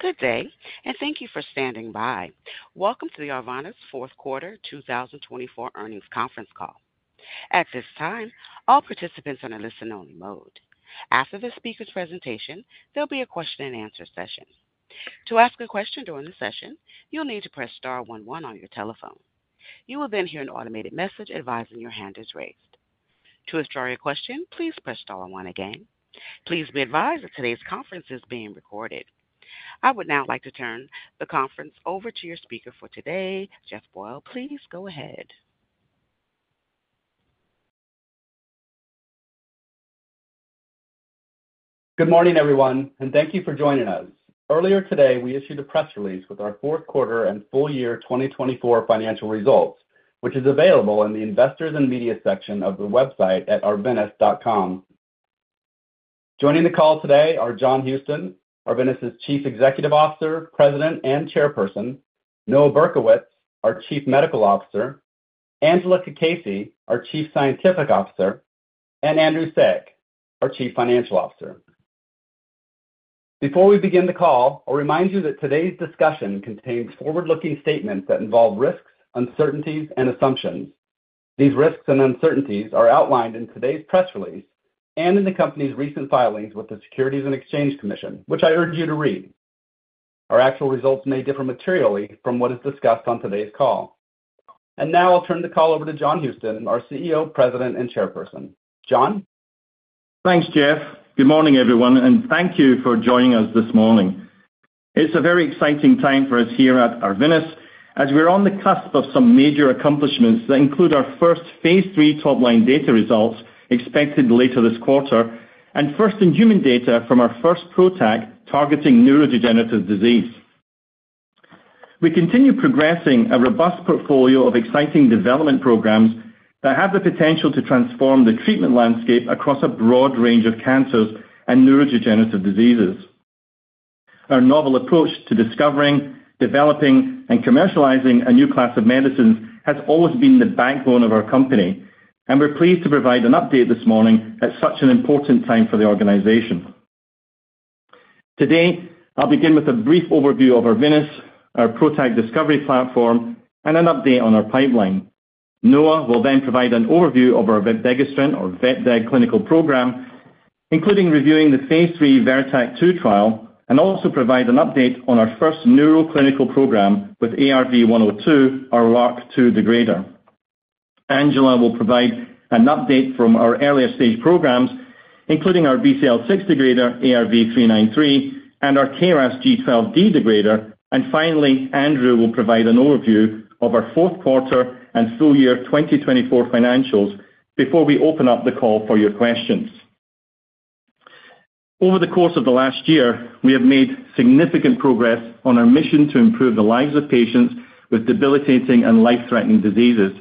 Good day, and thank you for standing by. Welcome to the Arvinas' fourth quarter 2024 earnings conference call. At this time, all participants are in a listen-only mode. After the speaker's presentation, there'll be a question-and-answer session. To ask a question during the session, you'll need to press star one one on your telephone. You will then hear an automated message advising your hand is raised. To ask your question, please press star one one again. Please be advised that today's conference is being recorded. I would now like to turn the conference over to your speaker for today, Jeff Boyle. Please go ahead. Good morning, everyone, and thank you for joining us. Earlier today, we issued a press release with our fourth quarter and full year 2024 financial results, which is available in the Investors and Media section of the website at arvinas.com. Joining the call today are John Houston, Arvinas' Chief Executive Officer, President and Chairperson; Noah Berkowitz, our Chief Medical Officer; Angela Cacace, our Chief Scientific Officer; and Andrew Saik, our Chief Financial Officer. Before we begin the call, I'll remind you that today's discussion contains forward-looking statements that involve risks, uncertainties, and assumptions. These risks and uncertainties are outlined in today's press release and in the company's recent filings with the Securities and Exchange Commission, which I urge you to read. Our actual results may differ materially from what is discussed on today's call. And now I'll turn the call over to John Houston, our CEO, President, and Chairperson. John? Thanks, Jeff. Good morning, everyone, and thank you for joining us this morning. It's a very exciting time for us here at Arvinas as we're on the cusp of some major accomplishments that include our first phase III top-line data results expected later this quarter and first in human data from our first PROTAC targeting neurodegenerative disease. We continue progressing a robust portfolio of exciting development programs that have the potential to transform the treatment landscape across a broad range of cancers and neurodegenerative diseases. Our novel approach to discovering, developing, and commercializing a new class of medicines has always been the backbone of our company, and we're pleased to provide an update this morning at such an important time for the organization. Today, I'll begin with a brief overview of Arvinas, our PROTAC discovery platform, and an update on our pipeline. Noah will then provide an overview of our vepdegestrant or vepdegestrant clinical program, including reviewing the phase III VERITAC-2 trial, and also provide an update on our first neuroclinical program with ARV-102, our LRRK2 degrader. Angela will provide an update from our earlier stage programs, including our BCL6 degrader, ARV-393, and our KRAS G12D degrader. And finally, Andrew will provide an overview of our fourth quarter and full year 2024 financials before we open up the call for your questions. Over the course of the last year, we have made significant progress on our mission to improve the lives of patients with debilitating and life-threatening diseases.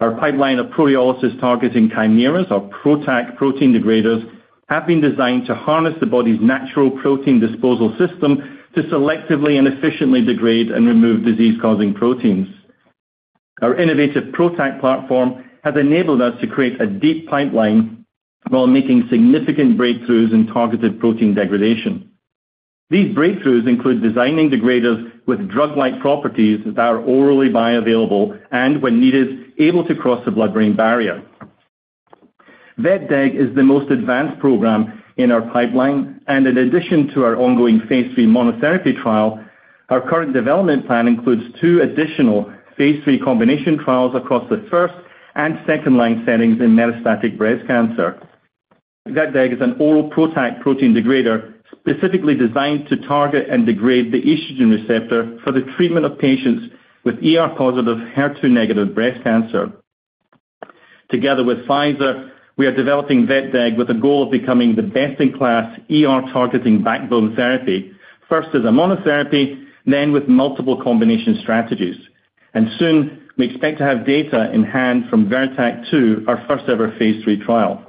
Our pipeline of proteolysis targeting chimeras, our PROTAC protein degraders, have been designed to harness the body's natural protein disposal system to selectively and efficiently degrade and remove disease-causing proteins. Our innovative PROTAC platform has enabled us to create a deep pipeline while making significant breakthroughs in targeted protein degradation. These breakthroughs include designing degraders with drug-like properties that are orally bioavailable and, when needed, able to cross the blood-brain barrier. Vepdegestrant is the most advanced program in our pipeline, and in addition to our ongoing phase III monotherapy trial, our current development plan includes two additional phase III combination trials across the first- and second-line settings in metastatic breast cancer. Vepdegestrant is an oral PROTAC protein degrader specifically designed to target and degrade the estrogen receptor for the treatment of patients with ER-positive, HER2-negative breast cancer. Together with Pfizer, we are developing vepdegestrant with a goal of becoming the best-in-class ER-targeting backbone therapy, first as a monotherapy, then with multiple combination strategies. And soon, we expect to have data in hand from VERITAC-2, our first-ever phase III trial.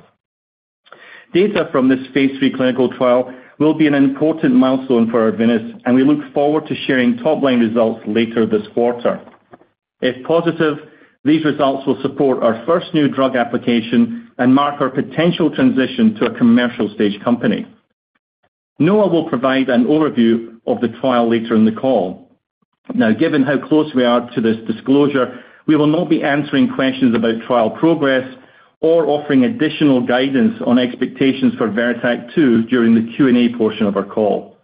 Data from this phase III clinical trial will be an important milestone for Arvinas, and we look forward to sharing top-line results later this quarter. If positive, these results will support our first new drug application and mark our potential transition to a commercial stage company. Noah will provide an overview of the trial later in the call. Now, given how close we are to this disclosure, we will not be answering questions about trial progress or offering additional guidance on expectations for VERITAC-2 during the Q&A portion of our call.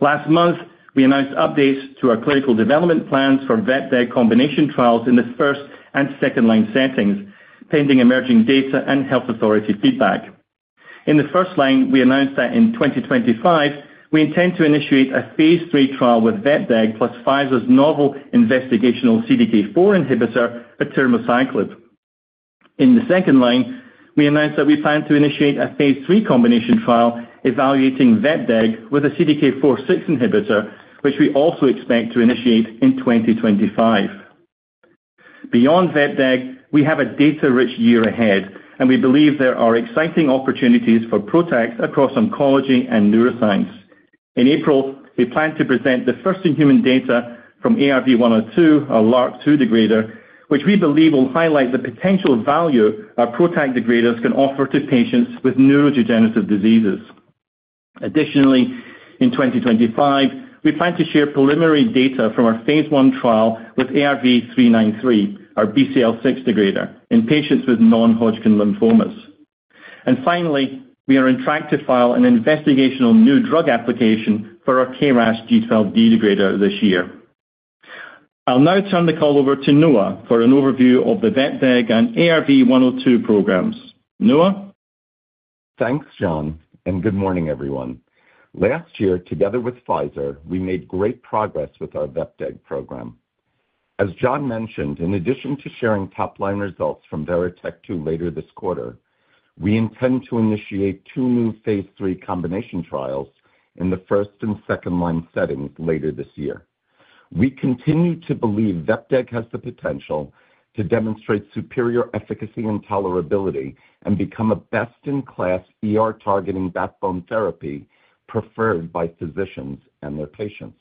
Last month, we announced updates to our clinical development plans for vepdegestrant combination trials in the first- and second-line settings, pending emerging data and health authority feedback. In the first line, we announced that in 2025, we intend to initiate a phase III trial with vepdegestrant plus Pfizer's novel investigational CDK4 inhibitor, atirmociclib. In the second line, we announced that we plan to initiate a phase III combination trial evaluating vepdegestrant with a CDK4/6 inhibitor, which we also expect to initiate in 2025. Beyond vepdegestrant, we have a data-rich year ahead, and we believe there are exciting opportunities for PROTACs across oncology and neuroscience. In April, we plan to present the first in human data from ARV-102, our LRRK2 degrader, which we believe will highlight the potential value our PROTAC degraders can offer to patients with neurodegenerative diseases. Additionally, in 2025, we plan to share preliminary data from our phase I trial with ARV-393, our BCL6 degrader, in patients with non-Hodgkin lymphomas. And finally, we are on track to file an investigational new drug application for our KRAS G12D degrader this year. I'll now turn the call over to Noah for an overview of the vepdegestrant and ARV-102 programs. Noah? Thanks, John, and good morning, everyone. Last year, together with Pfizer, we made great progress with our vepdegestrant program. As John mentioned, in addition to sharing top-line results from VERITAC-2 later this quarter, we intend to initiate two new phase III combination trials in the first and second-line settings later this year. We continue to believe vepdegestrant has the potential to demonstrate superior efficacy and tolerability and become a best-in-class ER-targeting backbone therapy preferred by physicians and their patients.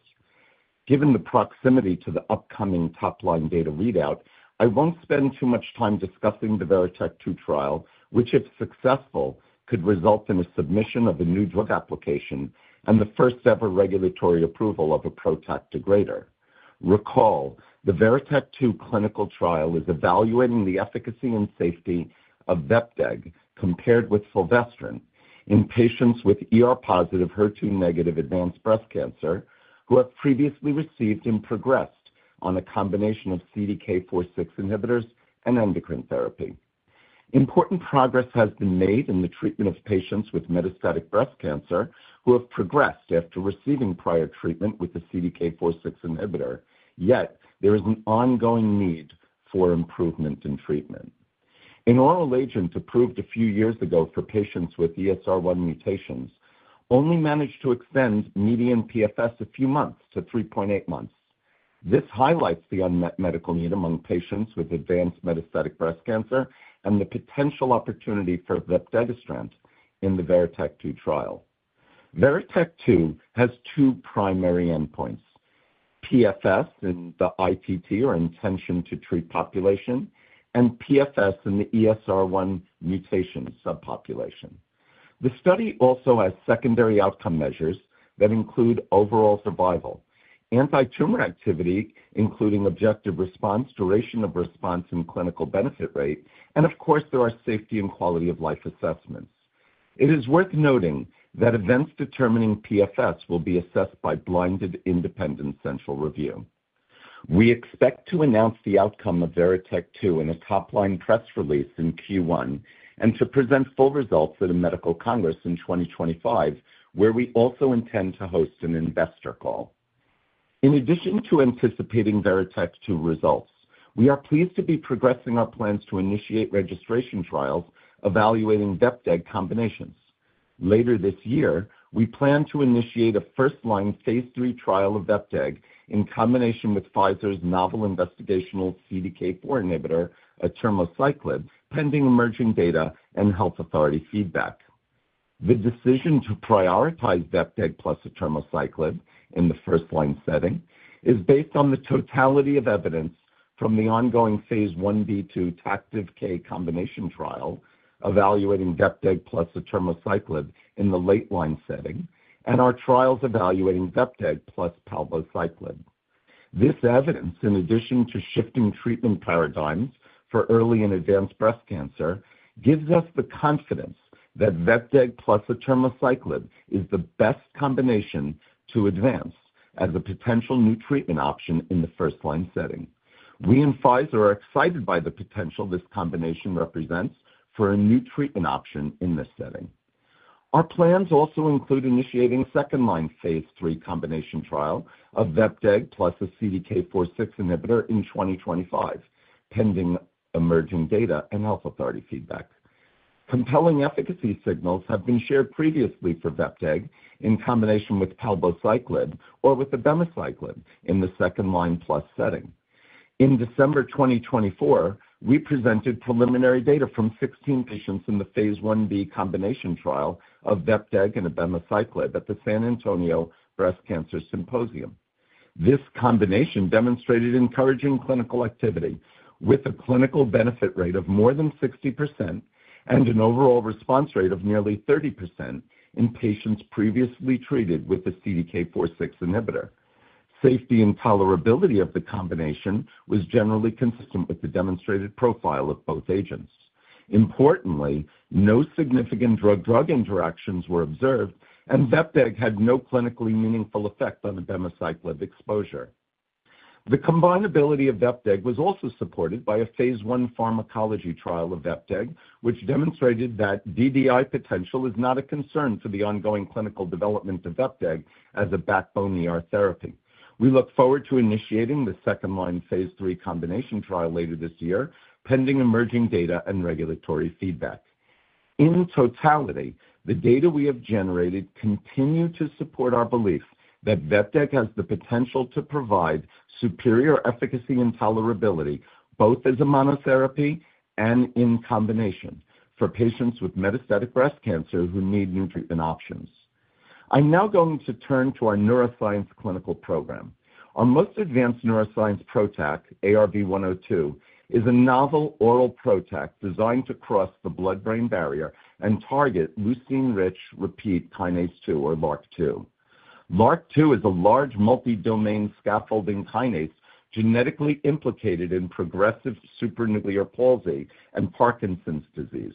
Given the proximity to the upcoming top-line data readout, I won't spend too much time discussing the VERITAC-2 trial, which, if successful, could result in a submission of a new drug application and the first-ever regulatory approval of a PROTAC degrader. Recall, the VERITAC-2 clinical trial is evaluating the efficacy and safety of vepdegestrant compared with fulvestrant in patients with ER-positive, HER2-negative advanced breast cancer who have previously received and progressed on a combination of CDK4/6 inhibitors and endocrine therapy. Important progress has been made in the treatment of patients with metastatic breast cancer who have progressed after receiving prior treatment with a CDK4/6 inhibitor, yet there is an ongoing need for improvement in treatment. An oral agent approved a few years ago for patients with ESR1 mutations only managed to extend median PFS a few months to 3.8 months. This highlights the unmet medical need among patients with advanced metastatic breast cancer and the potential opportunity for vepdegestrant in the VERITAC-2 trial. VERITAC-2 has two primary endpoints: PFS in the ITT, or intention to treat population, and PFS in the ESR1 mutation subpopulation. The study also has secondary outcome measures that include overall survival, anti-tumor activity, including objective response, duration of response, and clinical benefit rate. Of course, there are safety and quality of life assessments. It is worth noting that events determining PFS will be assessed by blinded independent central review. We expect to announce the outcome of VERITAC-2 in a top-line press release in Q1 and to present full results at a medical congress in 2025, where we also intend to host an investor call. In addition to anticipating VERITAC-2 results, we are pleased to be progressing our plans to initiate registration trials evaluating vepdegestrant combinations. Later this year, we plan to initiate a first-line phase III trial of vepdegestrant in combination with Pfizer's novel investigational CDK4 inhibitor, atirmociclib, pending emerging data and health authority feedback. The decision to prioritize vepdegestrant plus atirmociclib in the first-line setting is based on the totality of evidence from the ongoing phase I-B/II TACTIVE-K combination trial evaluating vepdegestrant plus atirmociclib in the late-line setting and our trials evaluating vepdegestrant plus palbociclib. This evidence, in addition to shifting treatment paradigms for early and advanced breast cancer, gives us the confidence that vepdegestrant plus atirmociclib is the best combination to advance as a potential new treatment option in the first-line setting. We in Pfizer are excited by the potential this combination represents for a new treatment option in this setting. Our plans also include initiating a second-line phase III combination trial of vepdegestrant plus a CDK4/6 inhibitor in 2025, pending emerging data and health authority feedback. Compelling efficacy signals have been shared previously for vepdegestrant in combination with palbociclib or with abemaciclib in the second-line plus setting. In December 2024, we presented preliminary data from 16 patients in the phase I-B combination trial of vepdegestrant and abemaciclib at the San Antonio Breast Cancer Symposium. This combination demonstrated encouraging clinical activity with a clinical benefit rate of more than 60% and an overall response rate of nearly 30% in patients previously treated with a CDK4/6 inhibitor. Safety and tolerability of the combination was generally consistent with the demonstrated profile of both agents. Importantly, no significant drug-drug interactions were observed, and vepdegestrant had no clinically meaningful effect on abemaciclib exposure. The combineability of vepdegestrant was also supported by a phase I pharmacology trial of vepdegestrant, which demonstrated that DDI potential is not a concern for the ongoing clinical development of vepdegestrant as a backbone therapy. We look forward to initiating the second-line phase III combination trial later this year, pending emerging data and regulatory feedback. In totality, the data we have generated continue to support our belief that vepdegestrant has the potential to provide superior efficacy and tolerability both as a monotherapy and in combination for patients with metastatic breast cancer who need new treatment options. I'm now going to turn to our neuroscience clinical program. Our most advanced neuroscience PROTAC, ARV-102, is a novel oral PROTAC designed to cross the blood-brain barrier and target leucine-rich repeat kinase II, or LARC II. LARC II is a large multi-domain scaffolding kinase genetically implicated in progressive supranuclear palsy and Parkinson's disease.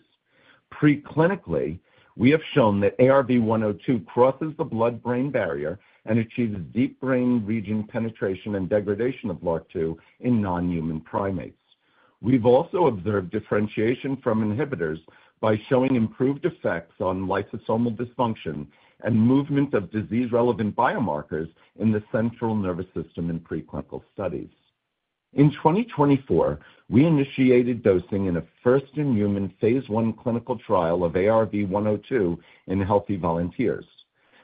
Preclinically, we have shown that ARV-102 crosses the blood-brain barrier and achieves deep brain region penetration and degradation of LARC II in non-human primates. We've also observed differentiation from inhibitors by showing improved effects on lysosomal dysfunction and movement of disease-relevant biomarkers in the central nervous system in preclinical studies. In 2024, we initiated dosing in a first-in-human phase I clinical trial of ARV-102 in healthy volunteers.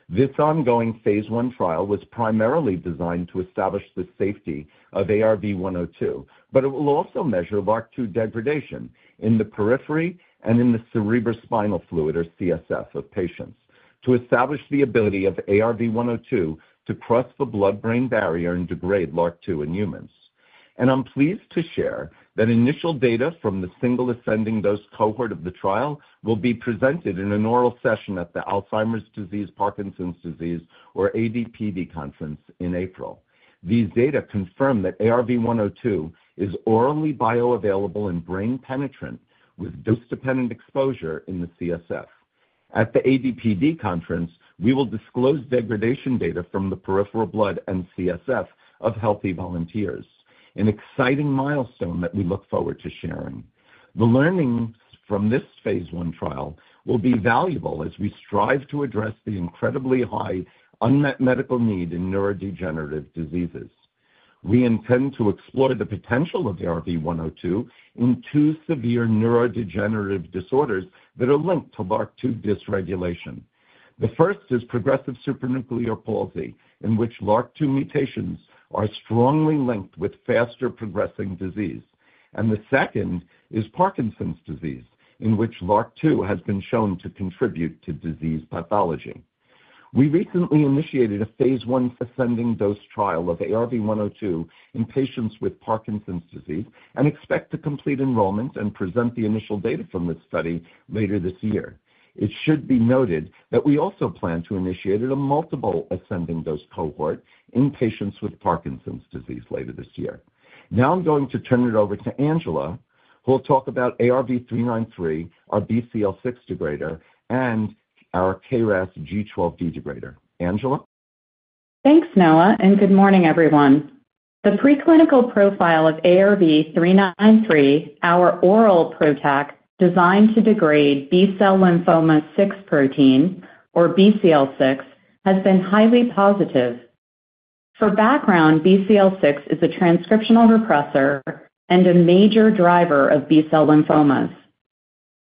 This ongoing phase I trial was primarily designed to establish the safety of ARV-102, but it will also measure LRRK2 degradation in the periphery and in the cerebrospinal fluid, or CSF, of patients to establish the ability of ARV-102 to cross the blood-brain barrier and degrade LRRK2 in humans, and I'm pleased to share that initial data from the single-ascending dose cohort of the trial will be presented in an oral session at the Alzheimer's and Parkinson's Diseases, or AD/PD, conference in April. These data confirm that ARV-102 is orally bioavailable and brain-penetrant with dose-dependent exposure in the CSF. At the AD/PD conference, we will disclose degradation data from the peripheral blood and CSF of healthy volunteers, an exciting milestone that we look forward to sharing. The learnings from this phase I trial will be valuable as we strive to address the incredibly high unmet medical need in neurodegenerative diseases. We intend to explore the potential of ARV-102 in two severe neurodegenerative disorders that are linked to LRRK2 dysregulation. The first is Progressive Supranuclear Palsy, in which LRRK2 mutations are strongly linked with faster progressing disease, and the second is Parkinson's disease, in which LRRK2 has been shown to contribute to disease pathology. We recently initiated a phase I ascending dose trial of ARV-102 in patients with Parkinson's disease and expect to complete enrollment and present the initial data from this study later this year. It should be noted that we also plan to initiate a multiple ascending dose cohort in patients with Parkinson's disease later this year. Now I'm going to turn it over to Angela, who will talk about ARV-393, our BCL6 degrader, and our KRAS G12D degrader. Angela? Thanks, Noah, and good morning, everyone. The preclinical profile of ARV-393, our oral PROTAC designed to degrade B-cell lymphoma 6 protein, or BCL6, has been highly positive. For background, BCL6 is a transcriptional repressor and a major driver of B-cell lymphomas.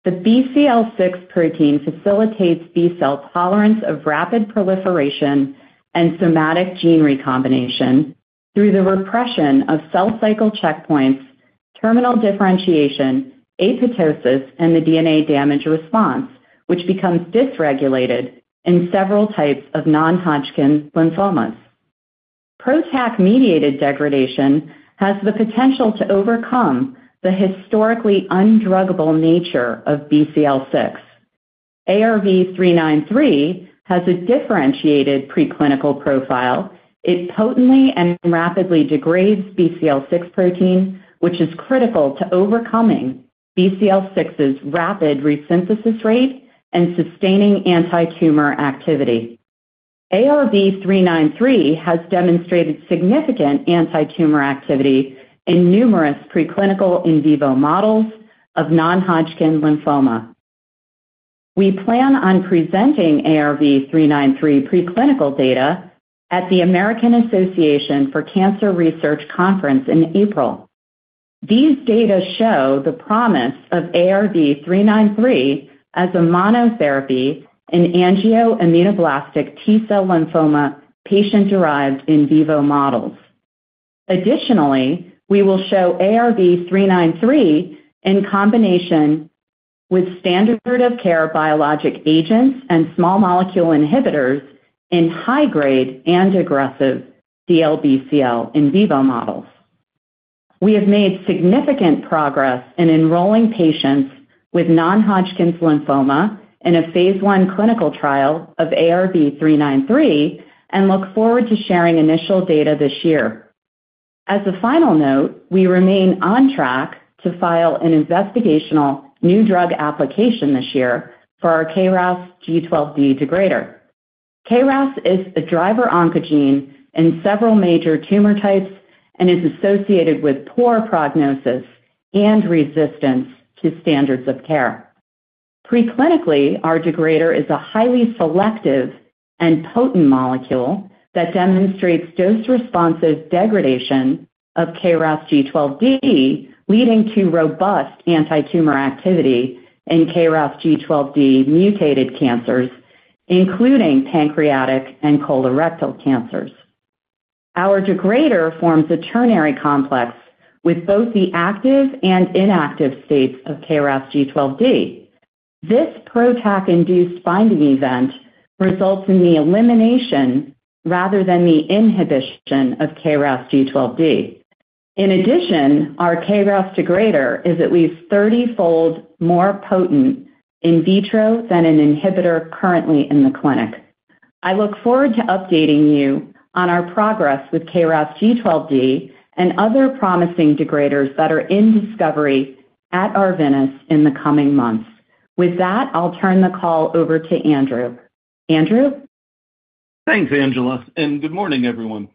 The BCL6 protein facilitates B-cell tolerance of rapid proliferation and somatic gene recombination through the repression of cell cycle checkpoints, terminal differentiation, apoptosis, and the DNA damage response, which becomes dysregulated in several types of non-Hodgkin lymphomas. PROTAC-mediated degradation has the potential to overcome the historically undruggable nature of BCL6. ARV-393 has a differentiated preclinical profile. It potently and rapidly degrades BCL6 protein, which is critical to overcoming BCL6's rapid resynthesis rate and sustaining antitumor activity. ARV-393 has demonstrated significant antitumor activity in numerous preclinical in vivo models of non-Hodgkin lymphoma. We plan on presenting ARV-393 preclinical data at the American Association for Cancer Research conference in April. These data show the promise of ARV-393 as a monotherapy in angioimmunoblastic T-cell lymphoma patient-derived in vivo models. Additionally, we will show ARV-393 in combination with standard-of-care biologic agents and small molecule inhibitors in high-grade and aggressive DLBCL in vivo models. We have made significant progress in enrolling patients with non-Hodgkin lymphoma in a phase I clinical trial of ARV-393 and look forward to sharing initial data this year. As a final note, we remain on track to file an investigational new drug application this year for our KRAS G12D degrader. KRAS is a driver oncogene in several major tumor types and is associated with poor prognosis and resistance to standards of care. Pre-clinically, our degrader is a highly selective and potent molecule that demonstrates dose-responsive degradation of KRAS G12D, leading to robust anti-tumor activity in KRAS G12D mutated cancers, including pancreatic and colorectal cancers. Our degrader forms a ternary complex with both the active and inactive states of KRAS G12D. This PROTAC-induced binding event results in the elimination rather than the inhibition of KRAS G12D. In addition, our KRAS degrader is at least 30-fold more potent in vitro than an inhibitor currently in the clinic. I look forward to updating you on our progress with KRAS G12D and other promising degraders that are in discovery at Arvinas in the coming months. With that, I'll turn the call over to Andrew. Andrew? Thanks, Angela, and good morning, everyone.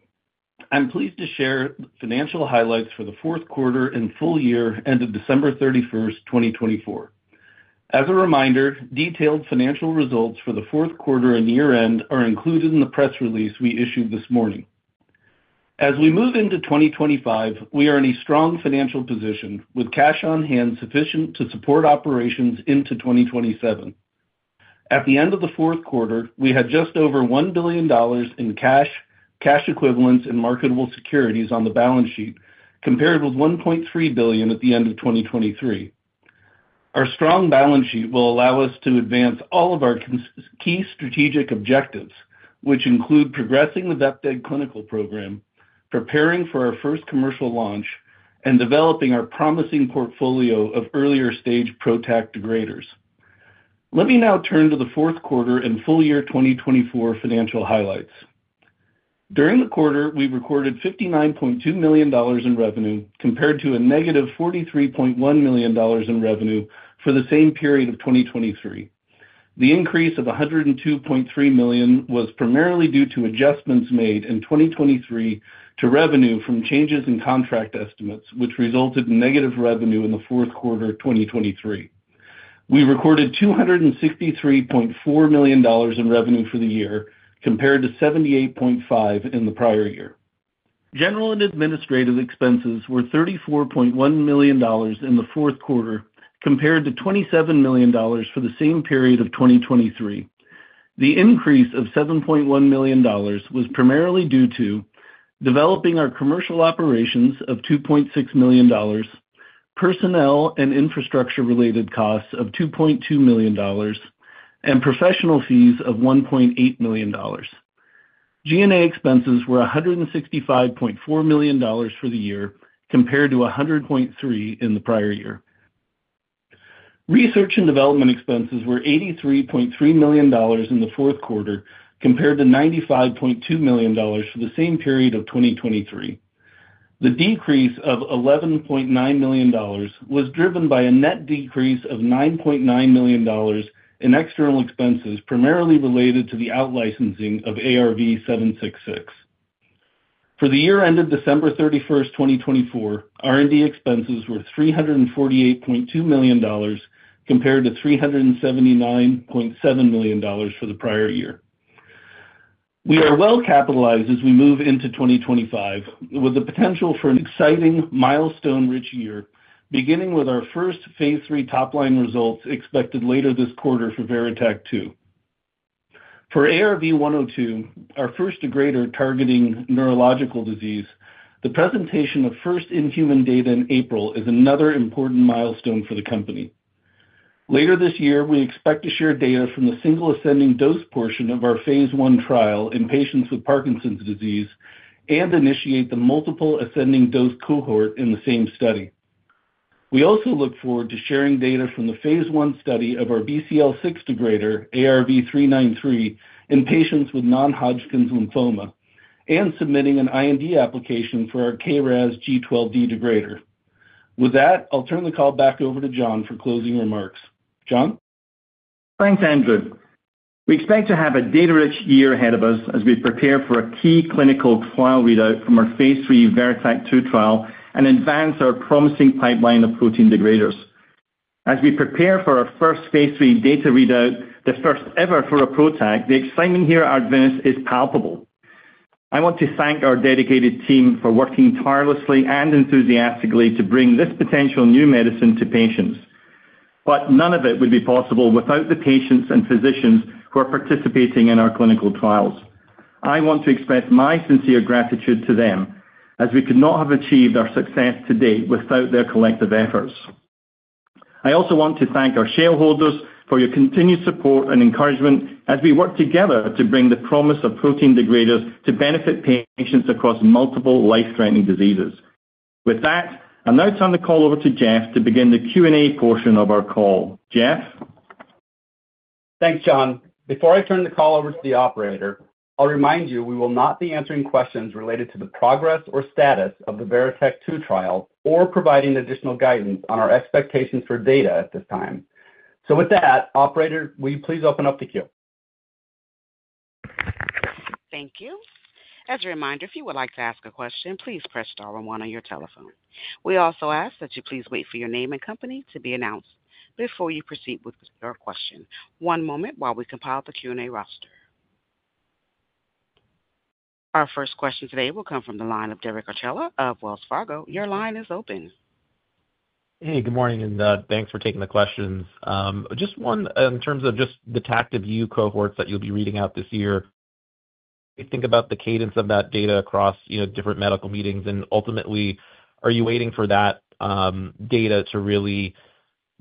I'm pleased to share financial highlights for the fourth quarter and full year end of December 31st 2024. As a reminder, detailed financial results for the fourth quarter and year-end are included in the press release we issued this morning. As we move into 2025, we are in a strong financial position with cash on hand sufficient to support operations into 2027. At the end of the fourth quarter, we had just over $1 billion in cash, cash equivalents, and marketable securities on the balance sheet, compared with $1.3 billion at the end of 2023. Our strong balance sheet will allow us to advance all of our key strategic objectives, which include progressing the vepdegestrant clinical program, preparing for our first commercial launch, and developing our promising portfolio of earlier-stage PROTAC degraders. Let me now turn to the fourth quarter and full year 2024 financial highlights. During the quarter, we recorded $59.2 million in revenue, compared to a negative $43.1 million in revenue for the same period of 2023. The increase of $102.3 million was primarily due to adjustments made in 2023 to revenue from changes in contract estimates, which resulted in negative revenue in the fourth quarter of 2023. We recorded $263.4 million in revenue for the year, compared to $78.5 million in the prior year. General and administrative expenses were $34.1 million in the fourth quarter, compared to $27 million for the same period of 2023. The increase of $7.1 million was primarily due to developing our commercial operations of $2.6 million, personnel and infrastructure-related costs of $2.2 million, and professional fees of $1.8 million. G&A expenses were $165.4 million for the year, compared to $100.3 million in the prior year. Research and development expenses were $83.3 million in the fourth quarter, compared to $95.2 million for the same period of 2023. The decrease of $11.9 million was driven by a net decrease of $9.9 million in external expenses, primarily related to the outlicensing of ARV-766. For the year-end of December 31st 2024, R&D expenses were $348.2 million, compared to $379.7 million for the prior year. We are well capitalized as we move into 2025, with the potential for an exciting, milestone-rich year, beginning with our first phase III top-line results expected later this quarter for VERITAC-2. For ARV-102, our first degrader targeting neurological disease, the presentation of first-in-human data in April is another important milestone for the company. Later this year, we expect to share data from the single-ascending dose portion of our phase I trial in patients with Parkinson's disease and initiate the multiple ascending dose cohort in the same study. We also look forward to sharing data from the phase I study of our BCL6 degrader, ARV-393, in patients with non-Hodgkin lymphoma and submitting an IND application for our KRAS G12D degrader. With that, I'll turn the call back over to John for closing remarks. John? Thanks, Andrew. We expect to have a data-rich year ahead of us as we prepare for a key clinical trial readout from our phase III VERITAC-2 trial and advance our promising pipeline of protein degraders. As we prepare for our first phase III data readout, the first ever for a PROTAC, the excitement here at Arvinas is palpable. I want to thank our dedicated team for working tirelessly and enthusiastically to bring this potential new medicine to patients. But none of it would be possible without the patients and physicians who are participating in our clinical trials. I want to express my sincere gratitude to them, as we could not have achieved our success today without their collective efforts. I also want to thank our shareholders for your continued support and encouragement as we work together to bring the promise of protein degraders to benefit patients across multiple life-threatening diseases. With that, I'll now turn the call over to Jeff to begin the Q&A portion of our call. Jeff? Thanks, John. Before I turn the call over to the operator, I'll remind you we will not be answering questions related to the progress or status of the VERITAC-2 trial or providing additional guidance on our expectations for data at this time. So with that, operator, will you please open up the queue? Thank you. As a reminder, if you would like to ask a question, please press star one on your telephone. We also ask that you please wait for your name and company to be announced before you proceed with your question. One moment while we compile the Q&A roster. Our first question today will come from the line of Derek Archila of Wells Fargo. Your line is open. Hey, good morning, and thanks for taking the questions. Just one in terms of just the TACTIVE-U cohorts that you'll be reading out this year, think about the cadence of that data across different medical meetings, and ultimately, are you waiting for that data to really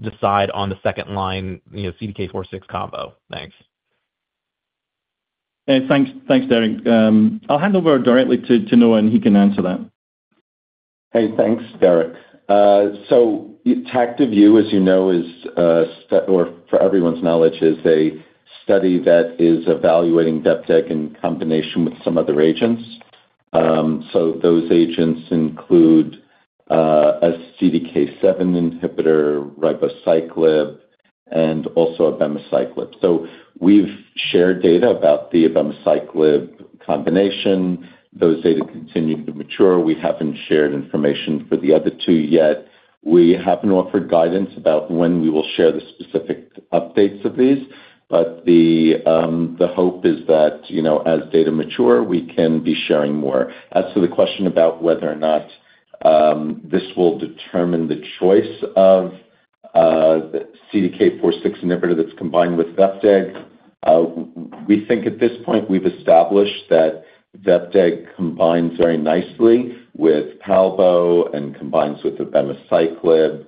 decide on the second line CDK4/6 combo? Thanks. Hey, thanks, Derek. I'll hand over directly to Noah, and he can answer that. Hey, thanks, Derek. So, TACTIVE-U, as you know, or for everyone's knowledge, is a study that is evaluating vepdegestrant in combination with some other agents. So those agents include a CDK7 inhibitor, ribociclib, and also abemaciclib. So we've shared data about the abemaciclib combination. Those data continue to mature. We haven't shared information for the other two yet. We haven't offered guidance about when we will share the specific updates of these, but the hope is that as data mature, we can be sharing more. As to the question about whether or not this will determine the choice of CDK4/6 inhibitor that's combined with vepdegestrant, we think at this point we've established that vepdegestrant combines very nicely with palbociclib and combines with abemaciclib.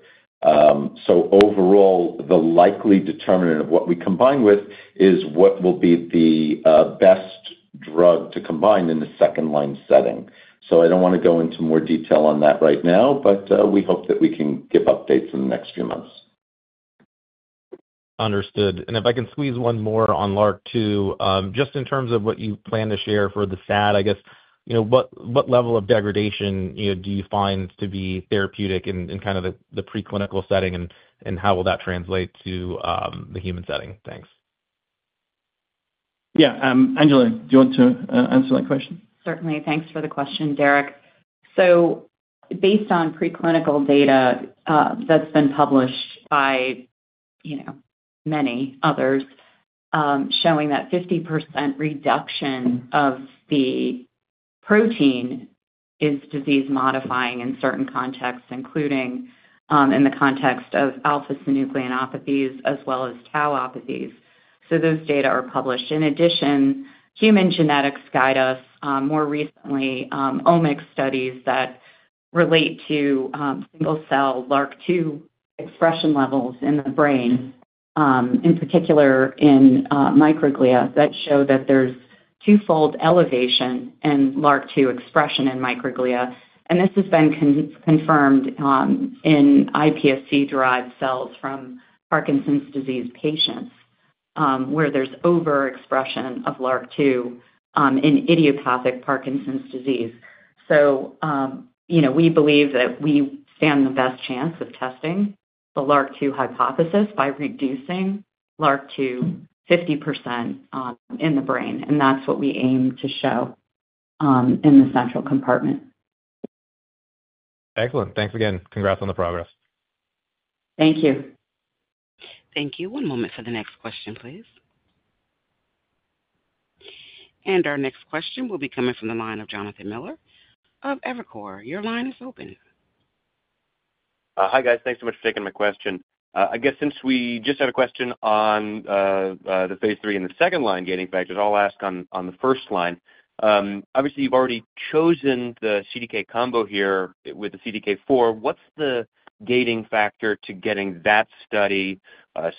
So overall, the likely determinant of what we combine with is what will be the best drug to combine in the second-line setting. So I don't want to go into more detail on that right now, but we hope that we can give updates in the next few months. Understood. And if I can squeeze one more on LRRK2, just in terms of what you plan to share for the SAD, I guess, what level of degradation do you find to be therapeutic in kind of the pre-clinical setting, and how will that translate to the human setting? Thanks. Yeah. Angela, do you want to answer that question? Certainly. Thanks for the question, Derek. So based on preclinical data that's been published by many others showing that 50% reduction of the protein is disease-modifying in certain contexts, including in the context of alpha-synucleinopathies as well as tauopathies, so those data are published. In addition, human genetics guide us more recently, omic studies that relate to single-cell LRRK2 expression levels in the brain, in particular in microglia, that show that there's twofold elevation in LRRK2 expression in microglia, and this has been confirmed in iPSC-derived cells from Parkinson's disease patients where there's overexpression of LRRK2 in idiopathic Parkinson's disease, so we believe that we stand the best chance of testing the LRRK2 hypothesis by reducing LRRK2 50% in the brain, and that's what we aim to show in the central compartment. Excellent. Thanks again. Congrats on the progress. Thank you. Thank you. One moment for the next question, please. And our next question will be coming from the line of Jonathan Miller of Evercore. Your line is open. Hi, guys. Thanks so much for taking my question. I guess since we just had a question on the phase III and the second-line gating factors, I'll ask on the first line. Obviously, you've already chosen the CDK combo here with the CDK4. What's the gating factor to getting that study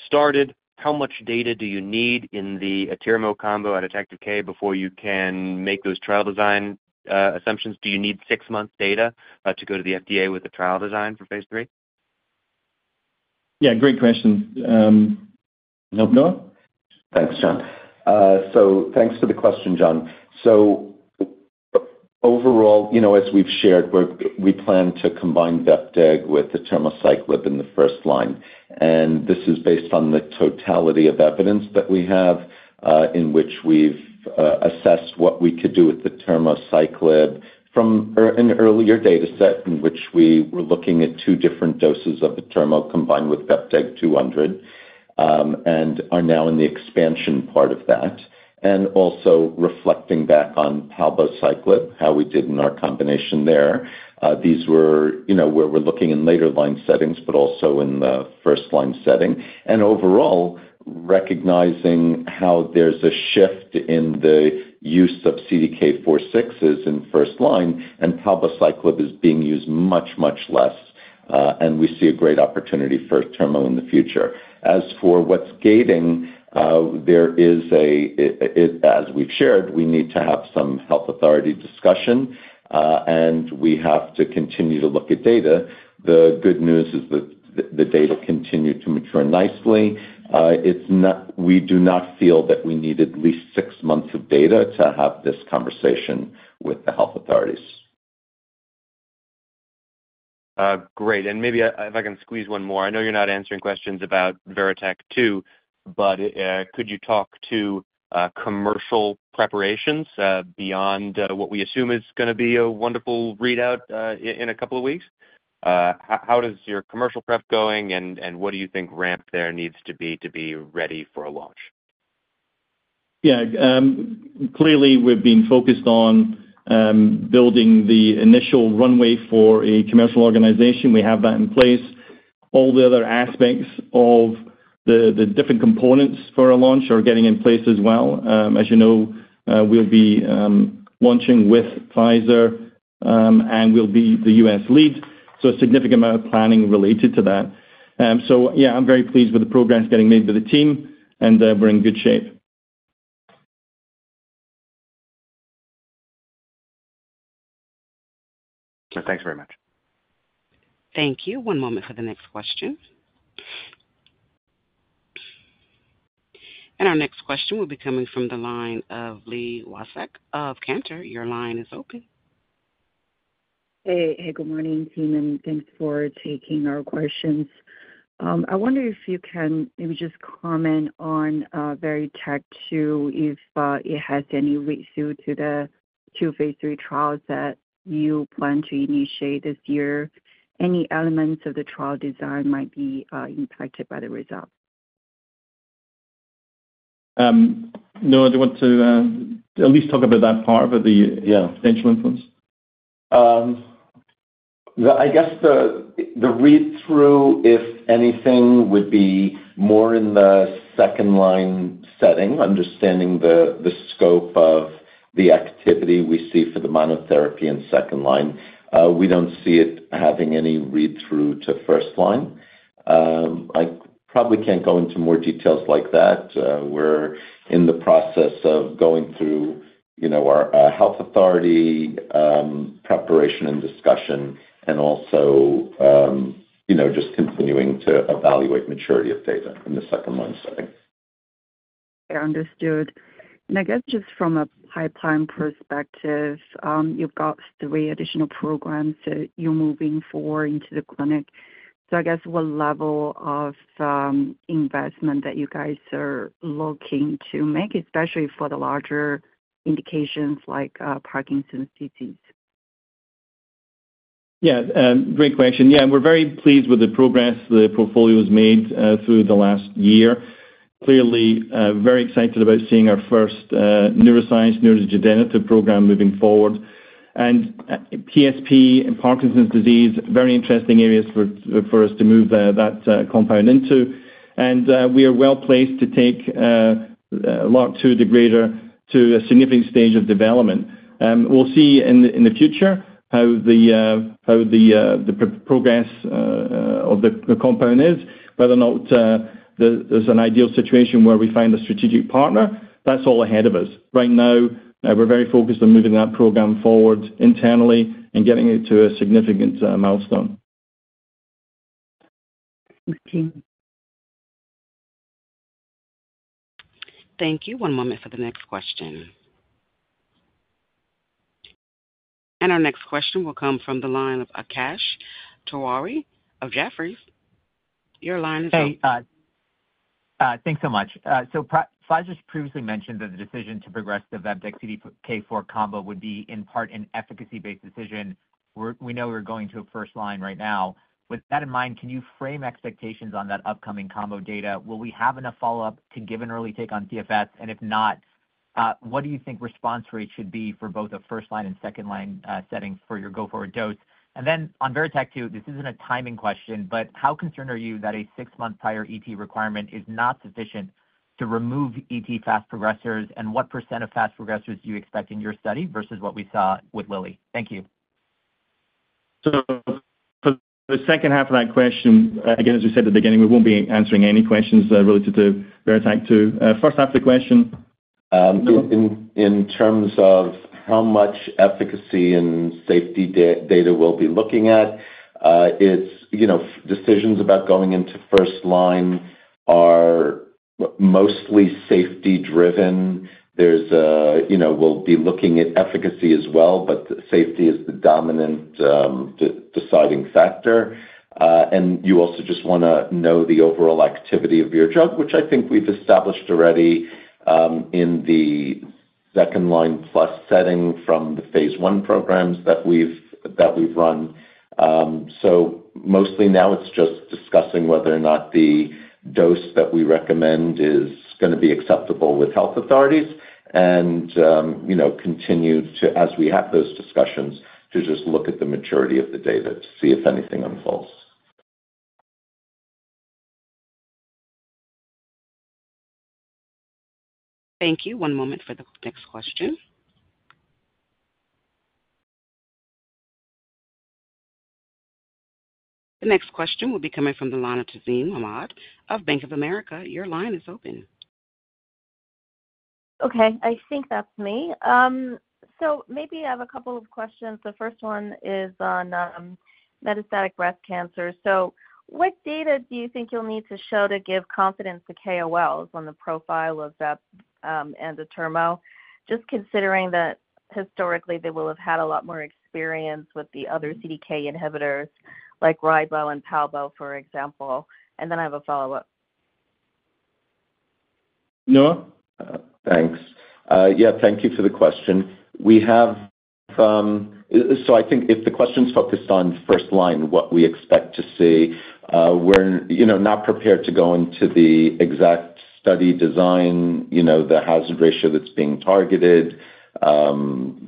started? How much data do you need in the abemaciclib combo at TACTIVE-K before you can make those trial design assumptions? Do you need six-month data to go to the FDA with a trial design for phase III? Yeah, great question. Noah? Thanks, John. So thanks for the question, John. So overall, as we've shared, we plan to combine vepdegestrant with the atirmociclib in the first line. And this is based on the totality of evidence that we have in which we've assessed what we could do with the atirmociclib from an earlier data set in which we were looking at two different doses of atirmociclib combined with vepdegestrant 200 and are now in the expansion part of that. And also reflecting back on palbociclib, how we did in our combination there. These were where we're looking in later-line settings, but also in the first-line setting. And overall, recognizing how there's a shift in the use of CDK4/6 in first line, and palbociclib is being used much, much less, and we see a great opportunity for atirmociclib in the future. As for what's gating, there is, as we've shared, we need to have some health authority discussion, and we have to continue to look at data. The good news is that the data continue to mature nicely. We do not feel that we need at least six months of data to have this conversation with the health authorities. Great. And maybe if I can squeeze one more. I know you're not answering questions about VERITAC-2, but could you talk to commercial preparations beyond what we assume is going to be a wonderful readout in a couple of weeks? How is your commercial prep going, and what do you think ramp there needs to be to be ready for a launch? Yeah. Clearly, we've been focused on building the initial runway for a commercial organization. We have that in place. All the other aspects of the different components for a launch are getting in place as well. As you know, we'll be launching with Pfizer, and we'll be the U.S. lead. So a significant amount of planning related to that. So yeah, I'm very pleased with the progress getting made by the team, and we're in good shape. Thanks very much. Thank you. One moment for the next question, and our next question will be coming from the line of Li Watsek of Cantor. Your line is open. Hey, good morning, team. Thanks for taking our questions. I wonder if you can maybe just comment on VERITAC-2 if it has any relevance to the two phase III trials that you plan to initiate this year. Any elements of the trial design might be impacted by the result? Noah, do you want to at least talk about that part of the potential influence? I guess the read-through, if anything, would be more in the second-line setting, understanding the scope of the activity we see for the monotherapy in second line. We don't see it having any read-through to first line. I probably can't go into more details like that. We're in the process of going through our health authority preparation and discussion and also just continuing to evaluate maturity of data in the second-line setting. Understood. And I guess just from a pipeline perspective, you've got three additional programs that you're moving forward into the clinic. So I guess what level of investment that you guys are looking to make, especially for the larger indications like Parkinson's disease? Yeah, great question. Yeah, we're very pleased with the progress the portfolio has made through the last year. Clearly, very excited about seeing our first neuroscience, neurodegenerative program moving forward, and PSP and Parkinson's disease, very interesting areas for us to move that compound into, and we are well placed to take LRRK2 degrader to a significant stage of development. We'll see in the future how the progress of the compound is, whether or not there's an ideal situation where we find a strategic partner. That's all ahead of us. Right now, we're very focused on moving that program forward internally and getting it to a significant milestone. Thank you. One moment for the next question, and our next question will come from the line of Akash Tewari of Jefferies. Your line is open. Thanks so much. So Pfizer's previously mentioned that the decision to progress the vepdegestrant CDK4 combo would be in part an efficacy-based decision. We know we're going to a first-line right now. With that in mind, can you frame expectations on that upcoming combo data? Will we have enough follow-up to give an early take on PFS? And if not, what do you think response rate should be for both a first-line and second-line setting for your go-forward dose? And then on VERITAC-2, this isn't a timing question, but how concerned are you that a six-month prior ET requirement is not sufficient to remove ET fast progressors, and what percent of fast progressors do you expect in your study versus what we saw with Lilly? Thank you. So for the second half of that question, again, as we said at the beginning, we won't be answering any questions related to VERITAC-2. First half of the question. In terms of how much efficacy and safety data we'll be looking at, decisions about going into first line are mostly safety-driven. We'll be looking at efficacy as well, but safety is the dominant deciding factor. And you also just want to know the overall activity of your drug, which I think we've established already in the second-line plus setting from the phase I programs that we've run. So mostly now it's just discussing whether or not the dose that we recommend is going to be acceptable with health authorities and continue to, as we have those discussions, to just look at the maturity of the data to see if anything unfolds. Thank you. One moment for the next question. The next question will be coming from the line of Tazeen Ahmad of Bank of America. Your line is open. Okay. I think that's me. So maybe I have a couple of questions. The first one is on metastatic breast cancer, so what data do you think you'll need to show to give confidence to KOLs on the profile of vepdegestrant and atirmociclib? Just considering that historically they will have had a lot more experience with the other CDK inhibitors like ribociclib and palbociclib, for example, and then I have a follow-up. Noah? Thanks. Yeah, thank you for the question. So I think if the question's focused on first line, what we expect to see, we're not prepared to go into the exact study design, the hazard ratio that's being targeted, or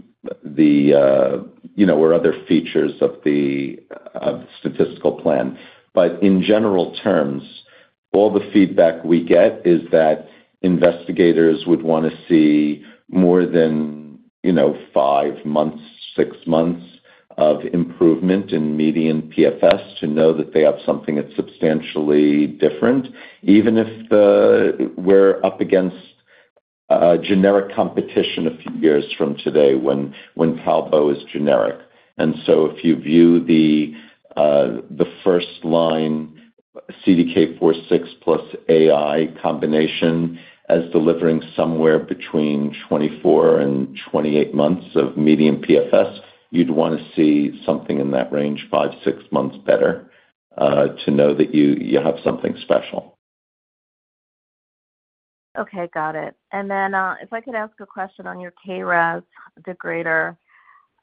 other features of the statistical plan. But in general terms, all the feedback we get is that investigators would want to see more than five months, six months of improvement in median PFS to know that they have something that's substantially different, even if we're up against generic competition a few years from today when Palbo is generic. And so if you view the first line CDK4/6+ AI combination as delivering somewhere between 24 and 28 months of median PFS, you'd want to see something in that range, five, six months better, to know that you have something special. Okay, got it. And then if I could ask a question on your KRAS degrader,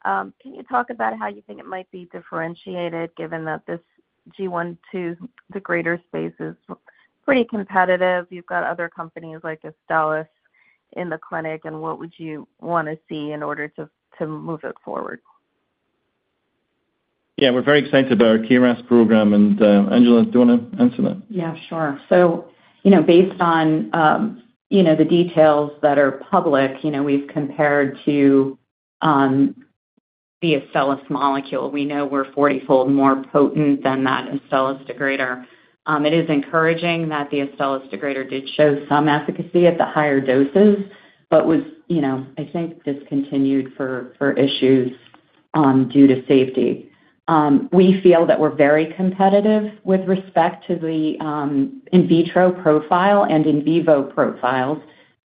can you talk about how you think it might be differentiated given that this G12 degrader space is pretty competitive? You've got other companies like Astellas in the clinic, and what would you want to see in order to move it forward? Yeah, we're very excited about our KRAS program. And Angela, do you want to answer that? Yeah, sure. Based on the details that are public, we've compared to the Astellas molecule. We know we're 40-fold more potent than that Astellas degrader. It is encouraging that the Astellas degrader did show some efficacy at the higher doses, but was, I think, discontinued for issues due to safety. We feel that we're very competitive with respect to the in vitro profile and in vivo profiles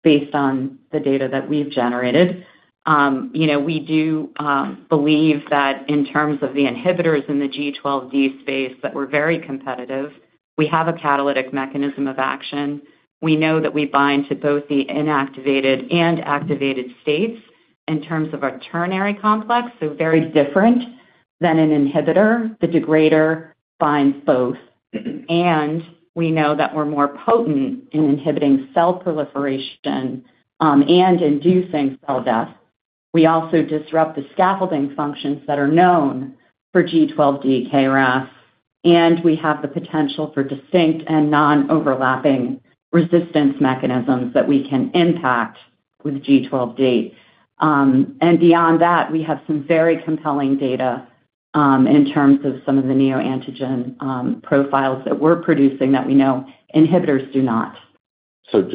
based on the data that we've generated. We do believe that in terms of the inhibitors in the G12D space, that we're very competitive. We have a catalytic mechanism of action. We know that we bind to both the inactivated and activated states in terms of our ternary complex, so very different than an inhibitor. The degrader binds both, and we know that we're more potent in inhibiting cell proliferation and inducing cell death. We also disrupt the scaffolding functions that are known for G12D KRAS. And we have the potential for distinct and non-overlapping resistance mechanisms that we can impact with G12D. And beyond that, we have some very compelling data in terms of some of the neoantigen profiles that we're producing that we know inhibitors do not. Just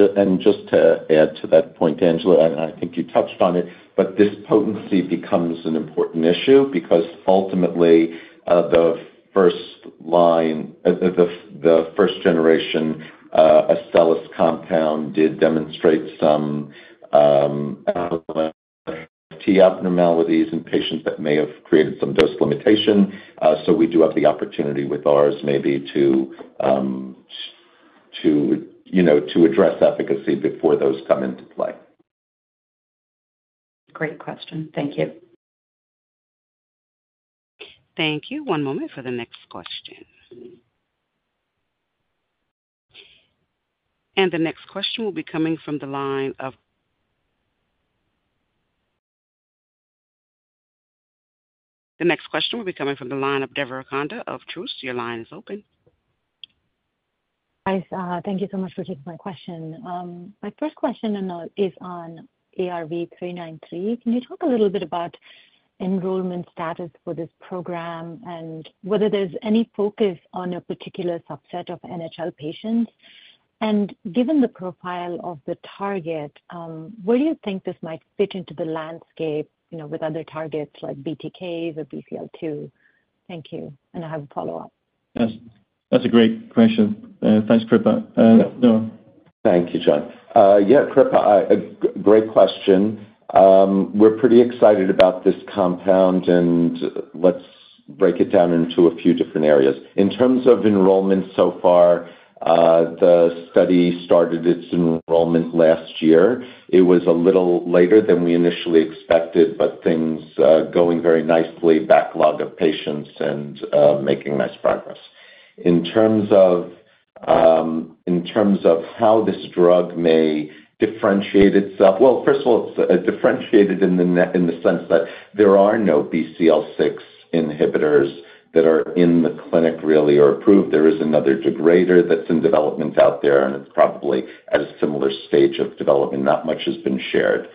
to add to that point, Angela, and I think you touched on it, but this potency becomes an important issue because ultimately, the first line, the first-generation Astellas compound did demonstrate some T abnormalities in patients that may have created some dose limitation. We do have the opportunity with ours maybe to address efficacy before those come into play. Great question. Thank you. Thank you. One moment for the next question, and the next question will be coming from the line of Devarakonda of Truist. Your line is open. Hi. Thank you so much for taking my question. My first question is on ARV-393. Can you talk a little bit about enrollment status for this program and whether there's any focus on a particular subset of NHL patients? And given the profile of the target, where do you think this might fit into the landscape with other targets like BTKs or BCL2? Thank you. And I have a follow-up. That's a great question. Thanks, Kripa. Noah. Thank you, John. Yeah, Kripa, great question. We're pretty excited about this compound, and let's break it down into a few different areas. In terms of enrollment so far, the study started its enrollment last year. It was a little later than we initially expected, but things are going very nicely, backlog of patients, and making nice progress. In terms of how this drug may differentiate itself, well, first of all, it's differentiated in the sense that there are no BCL6 inhibitors that are in the clinic really or approved. There is another degrader that's in development out there, and it's probably at a similar stage of development. Not much has been shared.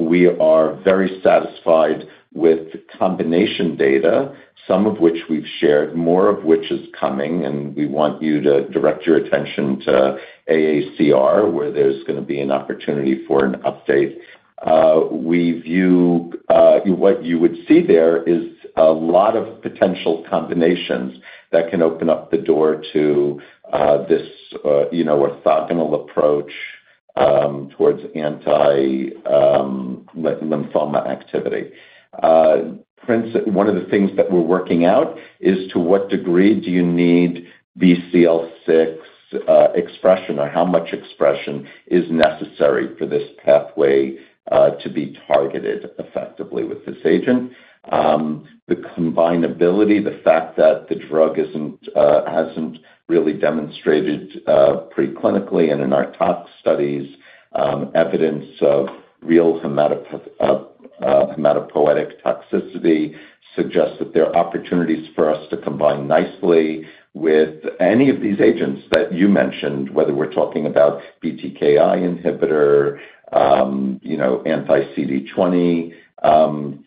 We are very satisfied with combination data, some of which we've shared, more of which is coming, and we want you to direct your attention to AACR, where there's going to be an opportunity for an update. We view what you would see there is a lot of potential combinations that can open up the door to this orthogonal approach towards anti-lymphoma activity. One of the things that we're working out is to what degree do you need BCL6 expression or how much expression is necessary for this pathway to be targeted effectively with this agent. The combinability, the fact that the drug hasn't really demonstrated preclinically and in our tox studies, evidence of real hematopoietic toxicity suggests that there are opportunities for us to combine nicely with any of these agents that you mentioned, whether we're talking about BTK inhibitor, anti-CD20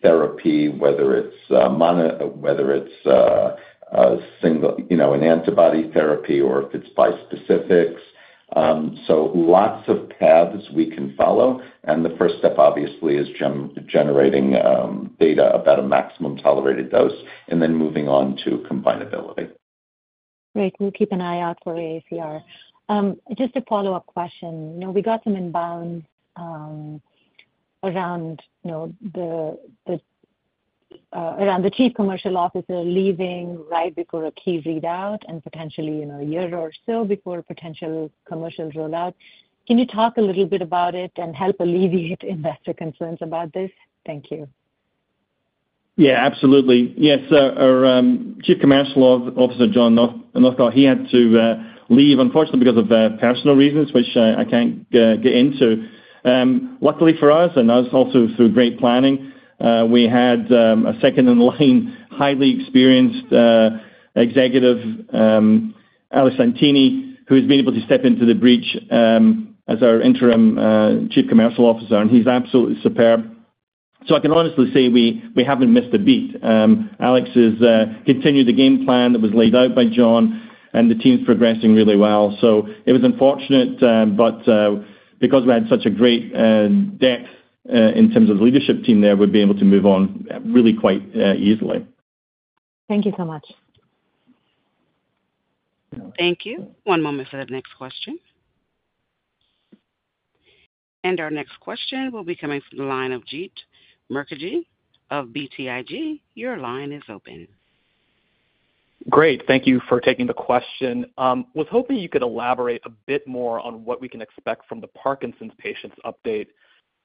therapy, whether it's an antibody therapy or if it's bispecifics. So lots of paths we can follow, and the first step, obviously, is generating data about a maximum tolerated dose and then moving on to combinability. Great. We'll keep an eye out for AACR. Just a follow-up question. We got some inbound around the Chief Commercial Officer leaving right before a key readout and potentially a year or so before a potential commercial rollout. Can you talk a little bit about it and help alleviate investor concerns about this? Thank you. Yeah, absolutely. Yes. Our Chief Commercial Officer, John Northcott, he had to leave, unfortunately, because of personal reasons, which I can't get into. Luckily for us, and also through great planning, we had a second-in-line, highly experienced executive, Alex Santini, who has been able to step into the breach as our interim Chief Commercial Officer, and he's absolutely superb. So I can honestly say we haven't missed a beat. Alex has continued the game plan that was laid out by John, and the team's progressing really well. So it was unfortunate, but because we had such a great depth in terms of the leadership team there, we've been able to move on really quite easily. Thank you so much. Thank you. One moment for that next question, and our next question will be coming from the line of Jeet Mukherjee of BTIG. Your line is open. Great. Thank you for taking the question. I was hoping you could elaborate a bit more on what we can expect from the Parkinson's patients update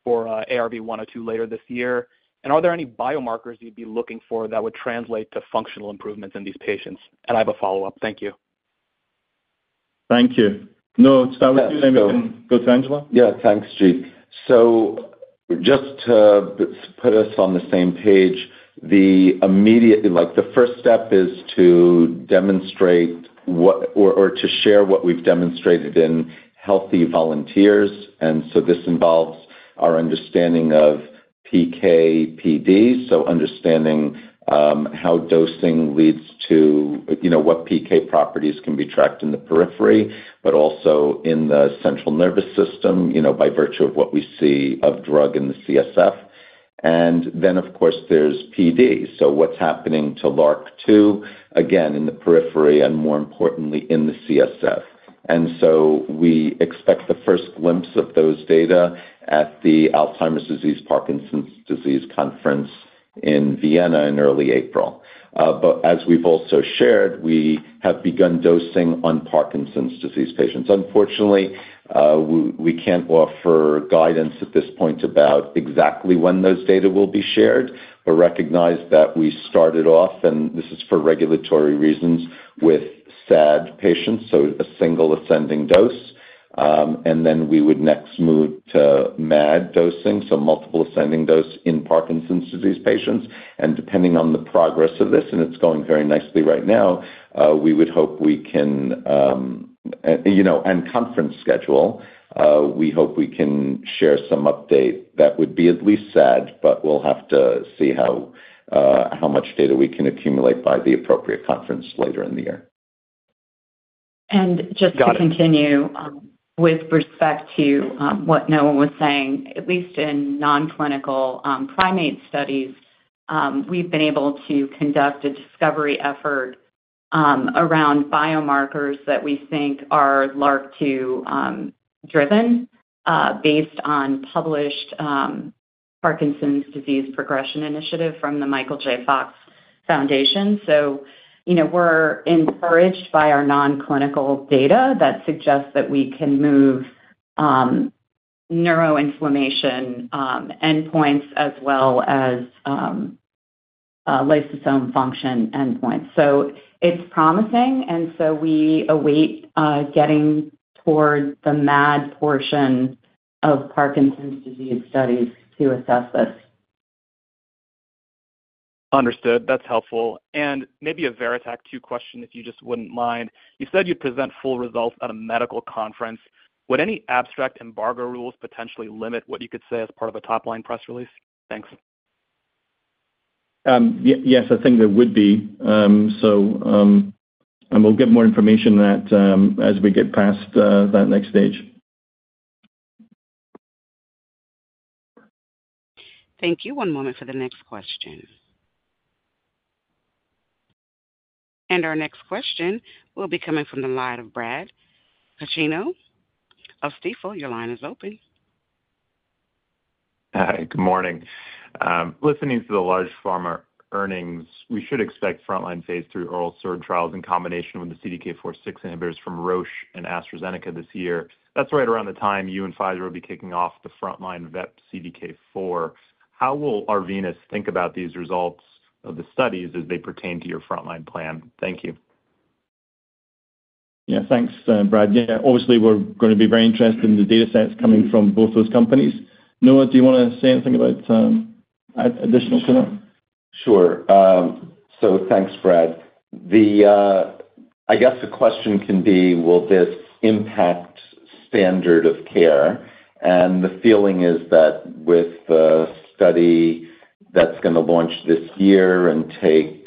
for ARV-102 later this year. And are there any biomarkers you'd be looking for that would translate to functional improvements in these patients? And I have a follow-up. Thank you. Thank you. Noah, start with you. Then we can go to Angela. Yeah, thanks, Jeet. Just to put us on the same page, the first step is to demonstrate or to share what we've demonstrated in healthy volunteers. This involves our understanding of PK/PD, so understanding how dosing leads to what PK properties can be tracked in the periphery, but also in the central nervous system by virtue of what we see of drug in the CSF. Then, of course, there's PD. What's happening to LRRK2, again, in the periphery and more importantly, in the CSF. We expect the first glimpse of those data at the Alzheimer's Disease Parkinson's Disease Conference in Vienna in early April. But as we've also shared, we have begun dosing on Parkinson's disease patients. Unfortunately, we can't offer guidance at this point about exactly when those data will be shared, but recognize that we started off, and this is for regulatory reasons, with SAD patients, so a single ascending dose, and then we would next move to MAD dosing, so multiple ascending dose in Parkinson's disease patients, and depending on the progress of this, and it's going very nicely right now, we would hope we can, and conference schedule, we hope we can share some update that would be at least SAD, but we'll have to see how much data we can accumulate by the appropriate conference later in the year. And just to continue with respect to what Noah was saying, at least in non-clinical primate studies, we've been able to conduct a discovery effort around biomarkers that we think are LRRK2-driven based on published Parkinson's Disease Progression Initiative from the Michael J. Fox Foundation. So we're encouraged by our non-clinical data that suggests that we can move neuroinflammation endpoints as well as lysosome function endpoints. So it's promising, and so we await getting toward the MAD portion of Parkinson's disease studies to assess this. Understood. That's helpful. And maybe a VERITAC-2 question, if you just wouldn't mind. You said you'd present full results at a medical conference. Would any abstract embargo rules potentially limit what you could say as part of a top-line press release? Thanks. Yes, I think there would be, and we'll get more information as we get past that next stage. Thank you. One moment for the next question, and our next question will be coming from the line of Brad Canino of Stifel. Your line is open. Hi. Good morning. Listening to the large pharma earnings, we should expect frontline phase III oral SERD trials in combination with the CDK4/6 inhibitors from Roche and AstraZeneca this year. That's right around the time you and Pfizer will be kicking off the frontline vepdegestrant CDK4/6. How will Arvinas think about these results of the studies as they pertain to your frontline plan? Thank you. Yeah, thanks, Brad. Yeah, obviously, we're going to be very interested in the data sets coming from both those companies. Noah, do you want to say anything additional to that? Sure. So, thanks, Brad. I guess the question can be, will this impact standard of care? The feeling is that with the study that's going to launch this year and take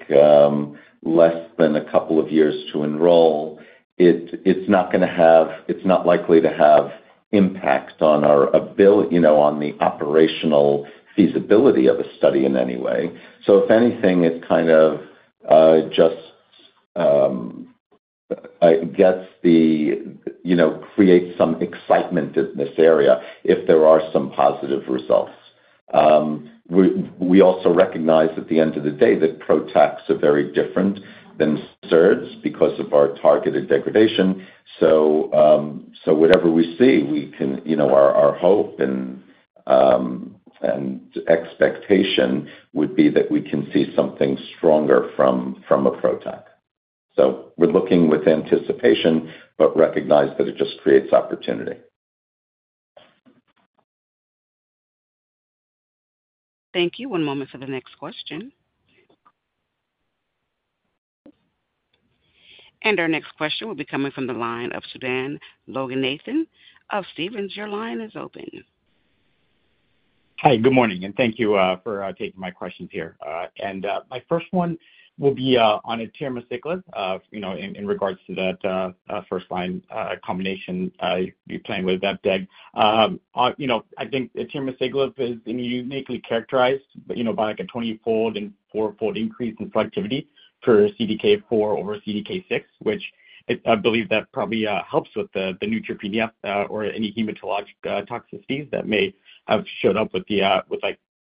less than a couple of years to enroll, it's not likely to have impact on the operational feasibility of a study in any way. So if anything, it kind of just creates some excitement in this area if there are some positive results. We also recognize at the end of the day that PROTACs are very different than SERDs because of our targeted degradation. So whatever we see, our hope and expectation would be that we can see something stronger from a PROTAC. We're looking with anticipation, but recognize that it just creates opportunity. Thank you. One moment for the next question. And our next question will be coming from the line of Sudan Loganathan of Stephens. Your line is open. Hi. Good morning. And thank you for taking my questions here. And my first one will be on atirmociclib in regards to that first-line combination you're playing with vepdegestrant. I think atirmociclib is uniquely characterized by a 20-fold and 4-fold increase in selectivity for CDK4 over CDK6, which I believe that probably helps with the neutropenia or any hematologic toxicities that may have showed up with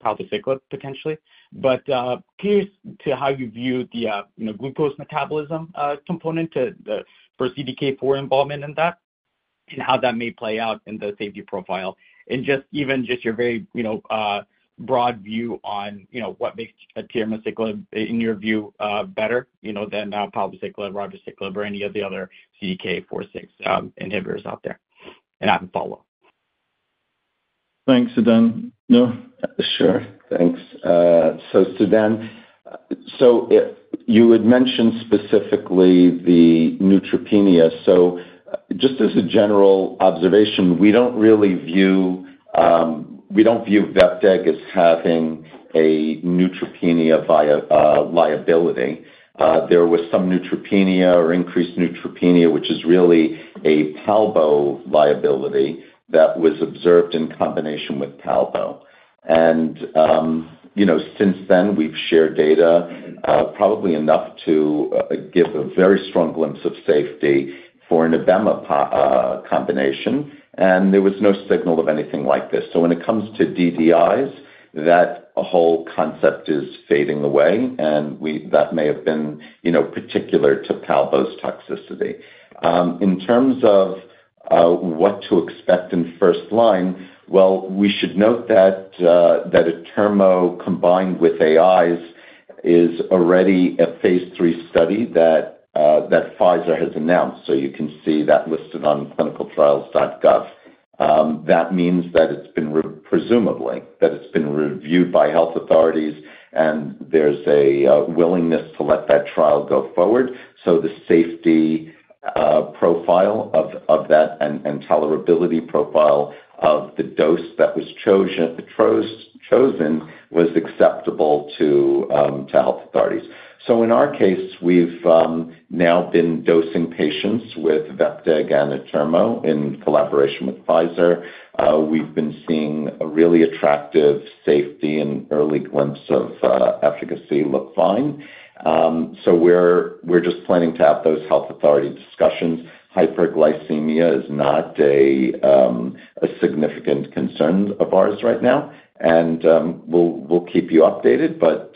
palbociclib potentially. But curious to how you view the glucose metabolism component for CDK4 involvement in that and how that may play out in the safety profile. And just even just your very broad view on what makes atirmociclib, in your view, better than palbociclib, ribociclib, or any of the other CDK4/6 inhibitors out there. And I have a follow-up. Thanks, Sudan. Noah? Sure. Thanks. So Sudan, so you had mentioned specifically the neutropenia. So just as a general observation, we don't really view vepdegestrant as having a neutropenia liability. There was some neutropenia or increased neutropenia, which is really a palbociclib liability that was observed in combination with palbociclib. And since then, we've shared data probably enough to give a very strong glimpse of safety for an abemaciclib combination. And there was no signal of anything like this. So when it comes to DDIs, that whole concept is fading away, and that may have been particular to palbociclib's toxicity. In terms of what to expect in first line, well, we should note that atirmociclib combined with AIs is already a phase III study that Pfizer has announced. So you can see that listed on ClinicalTrials.gov. That means that it's been presumably reviewed by health authorities, and there's a willingness to let that trial go forward, so the safety profile of that and tolerability profile of the dose that was chosen was acceptable to health authorities, so in our case, we've now been dosing patients with vepdegestrant and atirmociclib in collaboration with Pfizer. We've been seeing a really attractive safety and early glimpse of efficacy, look fine, so we're just planning to have those health authority discussions. Hyperglycemia is not a significant concern of ours right now, and we'll keep you updated, but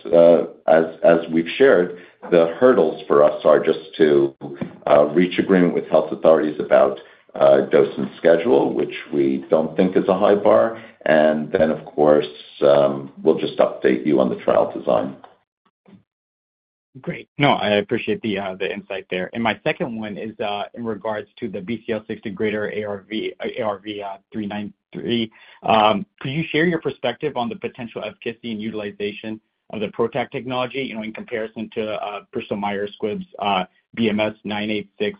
as we've shared, the hurdles for us are just to reach agreement with health authorities about dose and schedule, which we don't think is a high bar, and then, of course, we'll just update you on the trial design. Great. No, I appreciate the insight there. And my second one is in regards to the BCL6 degrader ARV-393. Could you share your perspective on the potential efficacy and utilization of the PROTAC technology in comparison to Bristol Myers Squibb's BMS-986358,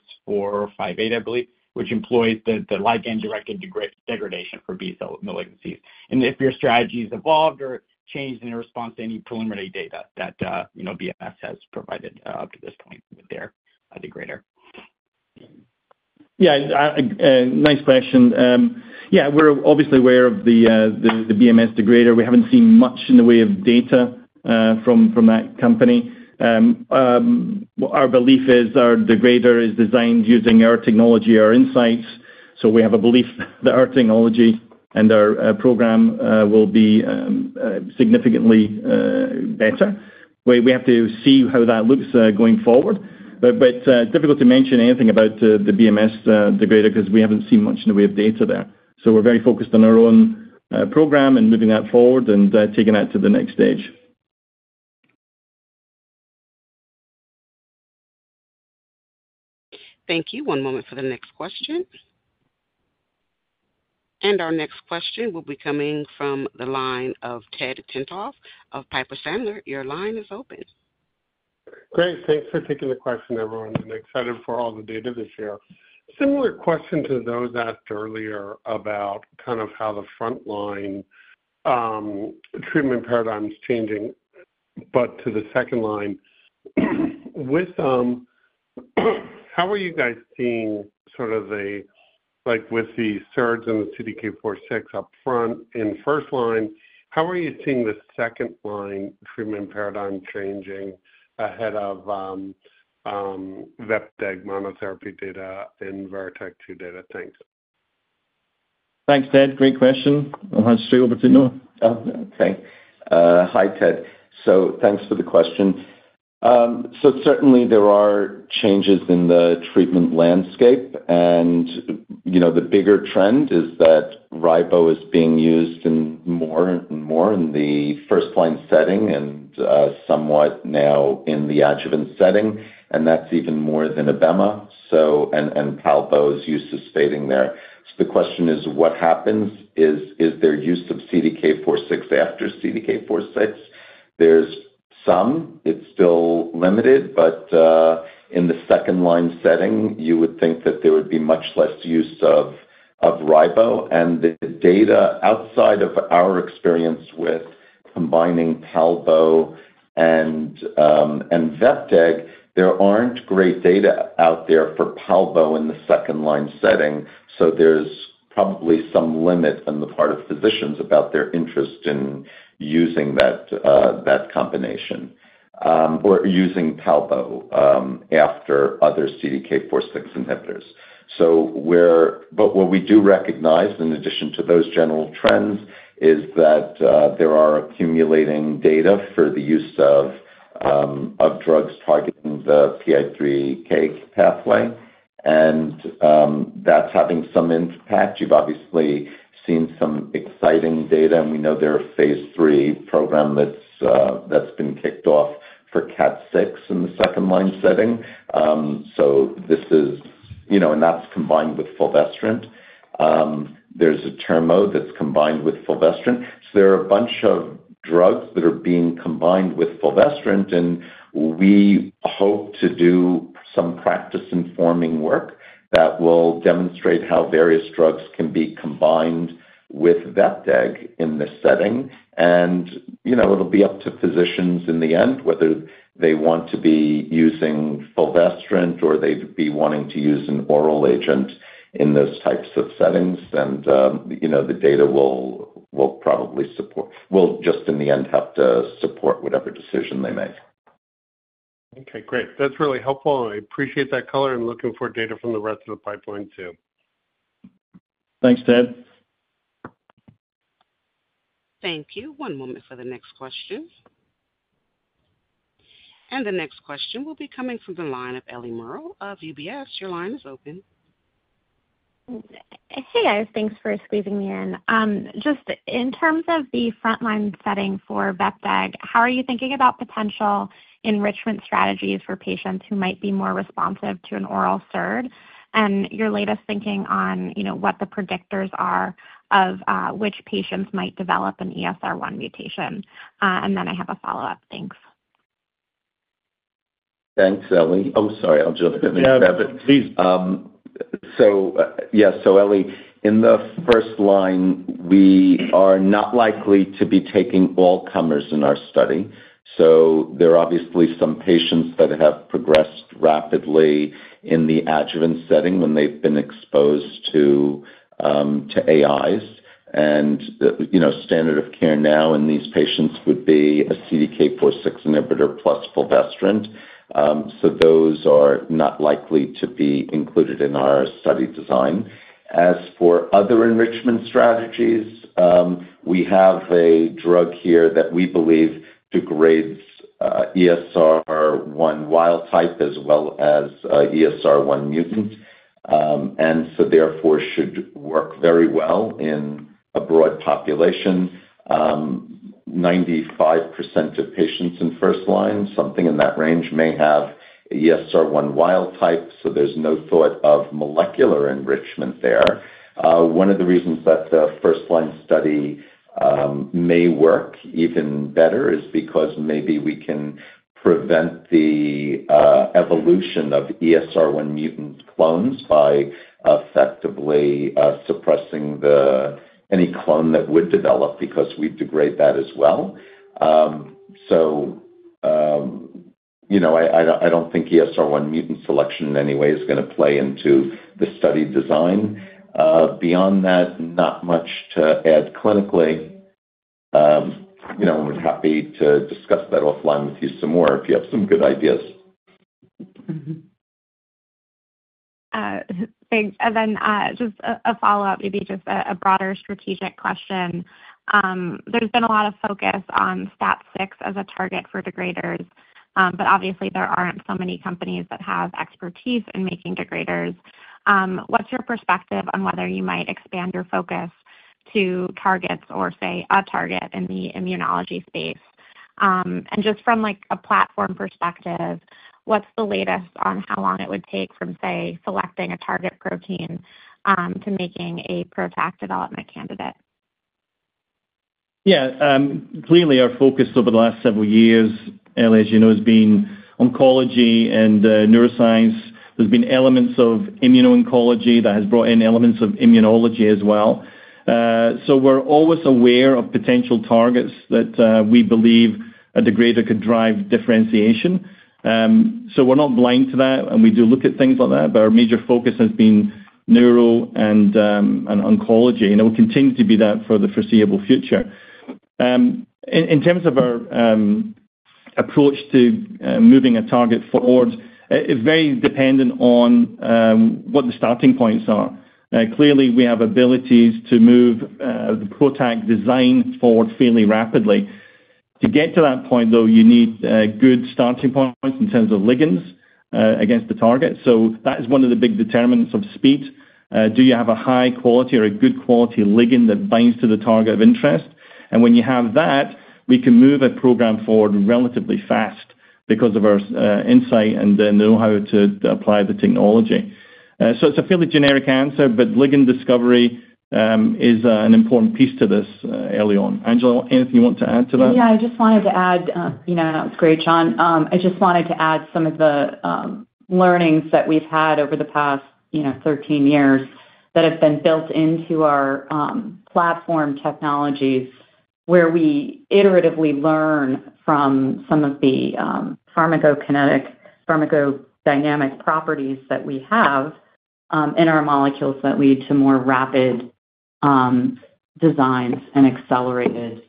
I believe, which employs the ligand-directed degradation for BCL malignancies? And if your strategy has evolved or changed in response to any preliminary data that BMS has provided up to this point with their degrader? Yeah. Nice question. Yeah, we're obviously aware of the BMS degrader. We haven't seen much in the way of data from that company. Our belief is our degrader is designed using our technology, our insights. So we have a belief that our technology and our program will be significantly better. We have to see how that looks going forward. But difficult to mention anything about the BMS degrader because we haven't seen much in the way of data there. So we're very focused on our own program and moving that forward and taking that to the next stage. Thank you. One moment for the next question. And our next question will be coming from the line of Ted Tenthoff of Piper Sandler. Your line is open. Great. Thanks for taking the question, everyone. I'm excited for all the data this year. Similar question to those asked earlier about kind of how the frontline treatment paradigm is changing, but to the second line. How are you guys seeing sort of the with the SERDs and the CDK4/6 upfront in first line, how are you seeing the second-line treatment paradigm changing ahead of vepdegestrant monotherapy data and VERITAC-2 data? Thanks. Thanks, Ted. Great question. I'll hand it straight over to Noah. Okay. Hi, Ted. So thanks for the question. So certainly, there are changes in the treatment landscape. And the bigger trend is that ribociclib is being used more and more in the first-line setting and somewhat now in the adjuvant setting. And that's even more than abema and palbociclib's use is fading there. So the question is, what happens? Is there use of CDK4/6 after CDK4/6? There's some. It's still limited. But in the second-line setting, you would think that there would be much less use of ribociclib. And the data outside of our experience with combining palbociclib and vepdegestrant, there aren't great data out there for palbociclib in the second-line setting. So there's probably some limit on the part of physicians about their interest in using that combination or using palbociclib after other CDK4/6 inhibitors. But what we do recognize, in addition to those general trends, is that there are accumulating data for the use of drugs targeting the PI3K pathway. And that's having some impact. You've obviously seen some exciting data. And we know there are phase III programs that's been kicked off for CDK4/6 in the second-line setting. So this is and that's combined with fulvestrant. There's atirmociclib that's combined with fulvestrant. So there are a bunch of drugs that are being combined with fulvestrant. And we hope to do some practice-informing work that will demonstrate how various drugs can be combined with vepdegestrant in this setting. And it'll be up to physicians in the end, whether they want to be using fulvestrant or they'd be wanting to use an oral agent in those types of settings. The data will probably support. We'll just, in the end, have to support whatever decision they make. Okay. Great. That's really helpful. I appreciate that color. I'm looking for data from the rest of the pipeline too. Thanks, Ted. Thank you. One moment for the next question. The next question will be coming from the line of Ellie Merle of UBS. Your line is open. Hey, guys. Thanks for squeezing me in. Just in terms of the frontline setting for vepdegestrant, how are you thinking about potential enrichment strategies for patients who might be more responsive to an oral SERD? And your latest thinking on what the predictors are of which patients might develop an ESR1 mutation? And then I have a follow-up. Thanks. Thanks, Ellie. Oh, sorry. I'll jump in there. Yeah. Please. So yeah. So Ellie, in the first line, we are not likely to be taking all comers in our study. So there are obviously some patients that have progressed rapidly in the adjuvant setting when they've been exposed to AIs. And standard of care now in these patients would be a CDK4/6 inhibitor plus fulvestrant. So those are not likely to be included in our study design. As for other enrichment strategies, we have a drug here that we believe degrades ESR1 wild type as well as ESR1 mutant. And so therefore, should work very well in a broad population. 95% of patients in first line, something in that range, may have ESR1 wild type. So there's no thought of molecular enrichment there. One of the reasons that the first-line study may work even better is because maybe we can prevent the evolution of ESR1 mutant clones by effectively suppressing any clone that would develop because we degrade that as well. So I don't think ESR1 mutant selection in any way is going to play into the study design. Beyond that, not much to add clinically. I'm happy to discuss that offline with you some more if you have some good ideas. Thanks. And then just a follow-up, maybe just a broader strategic question. There's been a lot of focus on STAT6 as a target for degraders. But obviously, there aren't so many companies that have expertise in making degraders. What's your perspective on whether you might expand your focus to targets or, say, a target in the immunology space? And just from a platform perspective, what's the latest on how long it would take from, say, selecting a target protein to making a PROTAC development candidate? Yeah. Clearly, our focus over the last several years, Ellie, as you know, has been oncology and neuroscience. There's been elements of immuno-oncology that has brought in elements of immunology as well. So we're always aware of potential targets that we believe a degrader could drive differentiation. So we're not blind to that. And we do look at things like that. But our major focus has been neuro and oncology. And it will continue to be that for the foreseeable future. In terms of our approach to moving a target forward, it's very dependent on what the starting points are. Clearly, we have abilities to move the PROTAC design forward fairly rapidly. To get to that point, though, you need good starting points in terms of ligands against the target. So that is one of the big determinants of speed. Do you have a high-quality or a good-quality ligand that binds to the target of interest? And when you have that, we can move a program forward relatively fast because of our insight and the know-how to apply the technology. So it's a fairly generic answer. But ligand discovery is an important piece to this, Ellie. Angela, anything you want to add to that? Yeah. I just wanted to add, and that was great, John, I just wanted to add some of the learnings that we've had over the past 13 years that have been built into our platform technologies where we iteratively learn from some of the pharmacokinetic, pharmacodynamic properties that we have in our molecules that lead to more rapid designs and accelerated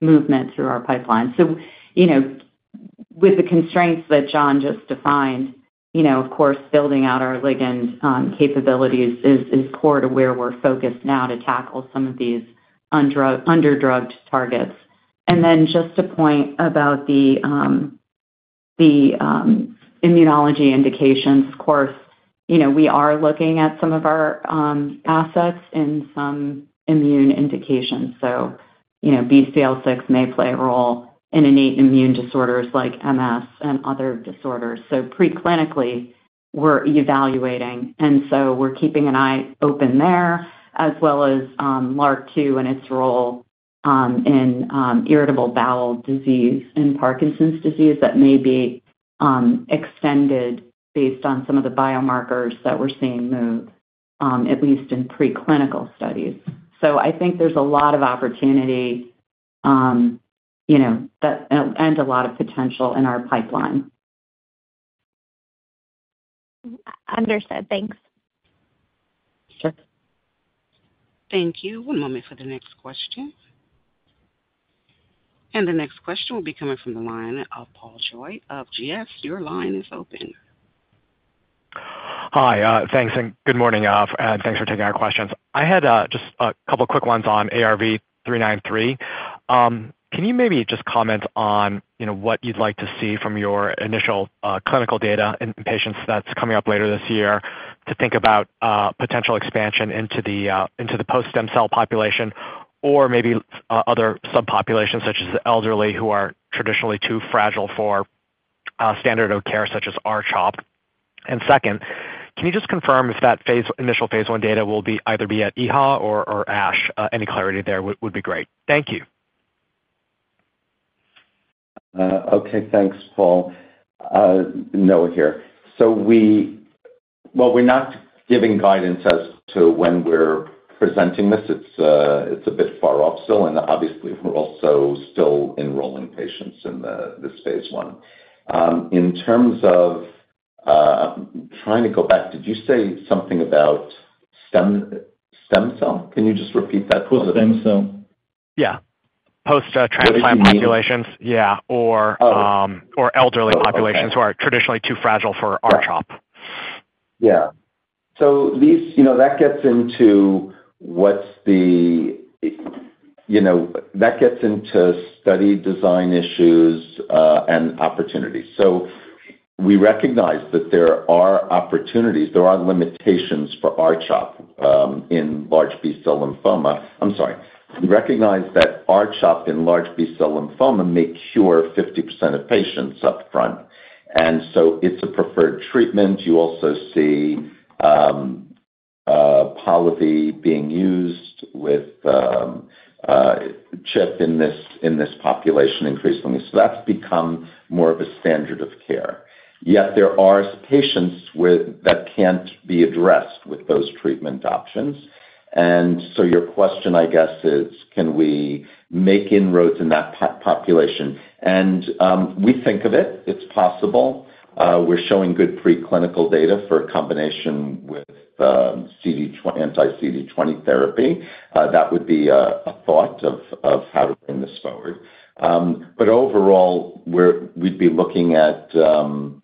movement through our pipeline. So with the constraints that John just defined, of course, building out our ligand capabilities is core to where we're focused now to tackle some of these underdrugged targets. And then just a point about the immunology indications. Of course, we are looking at some of our assets in some immune indications. So BCL6 may play a role in innate immune disorders like MS and other disorders. So preclinically, we're evaluating. And so we're keeping an eye open there as well as LRRK2 and its role in irritable bowel disease and Parkinson's disease that may be extended based on some of the biomarkers that we're seeing move, at least in pre-clinical studies. So I think there's a lot of opportunity and a lot of potential in our pipeline. Understood. Thanks. Sure. Thank you. One moment for the next question. And the next question will be coming from the line of Paul Choi of GS. Your line is open. Hi. Thanks. And good morning. And thanks for taking our questions. I had just a couple of quick ones on ARV-393. Can you maybe just comment on what you'd like to see from your initial clinical data in patients that's coming up later this year to think about potential expansion into the post-stem cell population or maybe other subpopulations such as the elderly who are traditionally too fragile for standard of care such as R-CHOP? And second, can you just confirm if that initial phase I data will either be at EHA or ASH? Any clarity there would be great. Thank you. Okay. Thanks, Paul. Noah here. Well, we're not giving guidance as to when we're presenting this. It's a bit far off still. And obviously, we're also still enrolling patients in this phase I. In terms of trying to go back, did you say something about stem cell? Can you just repeat that? Oh, stem cell. Yeah. Post-transplant populations. Yeah. Or elderly populations who are traditionally too fragile for R-CHOP. Yeah. That gets into study design issues and opportunities. We recognize that there are opportunities. There are limitations for R-CHOP in large B-cell lymphoma. I'm sorry. We recognize that R-CHOP in large B-cell lymphoma may cure 50% of patients upfront. And so it's a preferred treatment. You also see Polivy being used with R-CHP in this population increasingly. That's become more of a standard of care. Yet there are patients that can't be addressed with those treatment options. Your question, I guess, is, can we make inroads in that population? We think of it. It's possible. We're showing good pre-clinical data for a combination with anti-CD20 therapy. That would be a thought of how to bring this forward. Overall, we'd be looking at—and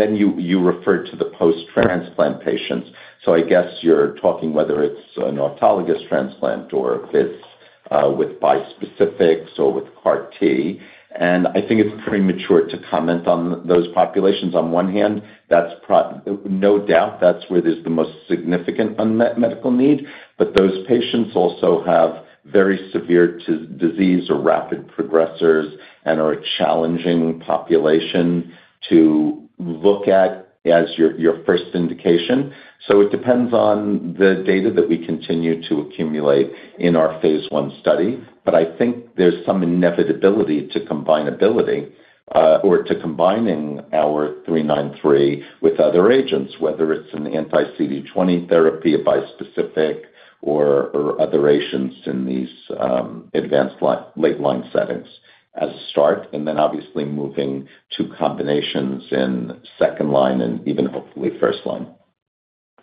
then you referred to the post-transplant patients. So I guess you're talking whether it's an autologous transplant or if it's with bispecifics or with CAR T. And I think it's premature to comment on those populations. On one hand, no doubt, that's where there's the most significant unmet medical need. But those patients also have very severe disease or rapid progressors and are a challenging population to look at as your first indication. So it depends on the data that we continue to accumulate in our phase I study. But I think there's some inevitability to combine ability or to combining our ARV-393 with other agents, whether it's an anti-CD20 therapy, a bispecific, or other agents in these advanced late-line settings as a start. And then obviously moving to combinations in second line and even hopefully first line.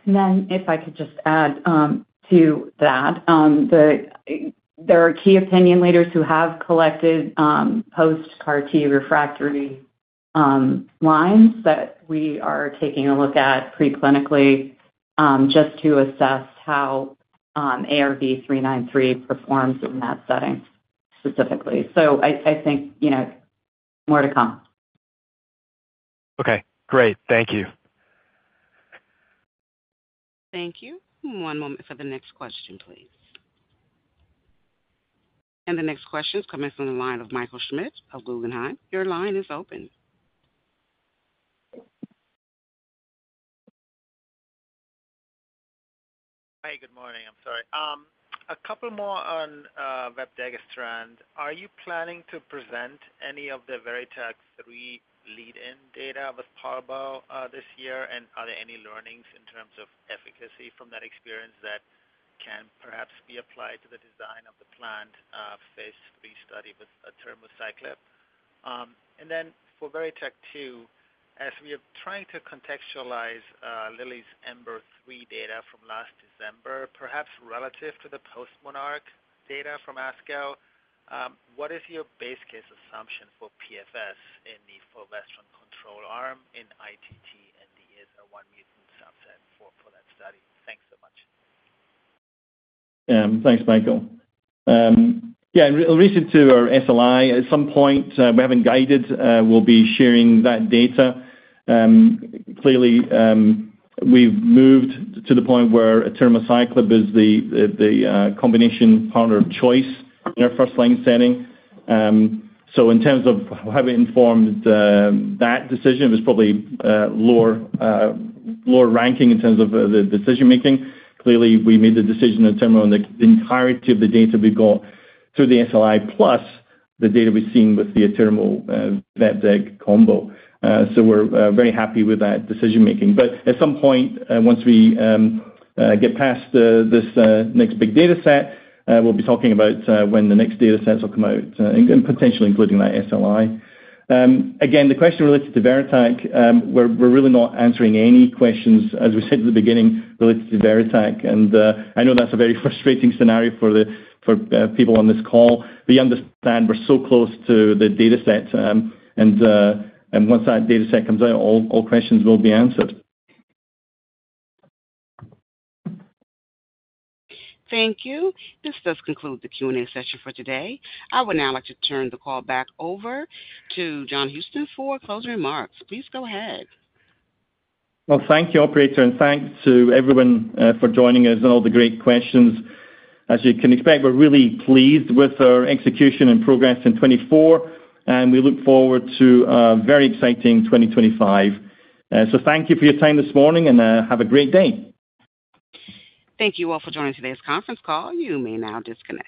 And then if I could just add to that, there are key opinion leaders who have collected post-CAR T refractory lines that we are taking a look at pre-clinically just to assess how ARV-393 performs in that setting specifically. So I think more to come. Okay. Great. Thank you. Thank you. One moment for the next question, please. The next question is coming from the line of Michael Schmidt of Guggenheim. Your line is open. Hi. Good morning. I'm sorry. A couple more on vepdegestrant. Are you planning to present any of the VERITAC-3 lead-in data with palbociclib this year? And are there any learnings in terms of efficacy from that experience that can perhaps be applied to the design of the planned phase III study with atirmociclib? And then for VERITAC-2, as we are trying to contextualize Lilly's EMBER-3 data from last December, perhaps relative to the PostMONARCH data from ASCO, what is your base case assumption for PFS in the fulvestrant control arm in ITT and the ESR1 mutant subset for that study? Thanks so much. Thanks, Michael. Yeah. In relation to our SLI, at some point, we haven't guided. We'll be sharing that data. Clearly, we've moved to the point where atirmociclib is the combination partner of choice in our first-line setting, so in terms of how we informed that decision, it was probably lower ranking in terms of the decision-making. Clearly, we made the decision in terms of the entirety of the data we got through the SLI plus the data we've seen with the atirmociclib/vepdegestrant combo, so we're very happy with that decision-making, but at some point, once we get past this next big data set, we'll be talking about when the next data sets will come out and potentially including that SLI. Again, the question related to VERITAC-2, we're really not answering any questions, as we said at the beginning, related to VERITAC-2. I know that's a very frustrating scenario for people on this call. We understand we're so close to the data set. Once that data set comes out, all questions will be answered. Thank you. This does conclude the Q&A session for today. I would now like to turn the call back over to John Houston for closing remarks. Please go ahead. Thank you, operator. Thanks to everyone for joining us and all the great questions. As you can expect, we're really pleased with our execution and progress in 2024. We look forward to a very exciting 2025. Thank you for your time this morning. Have a great day. Thank you all for joining today's conference call. You may now disconnect.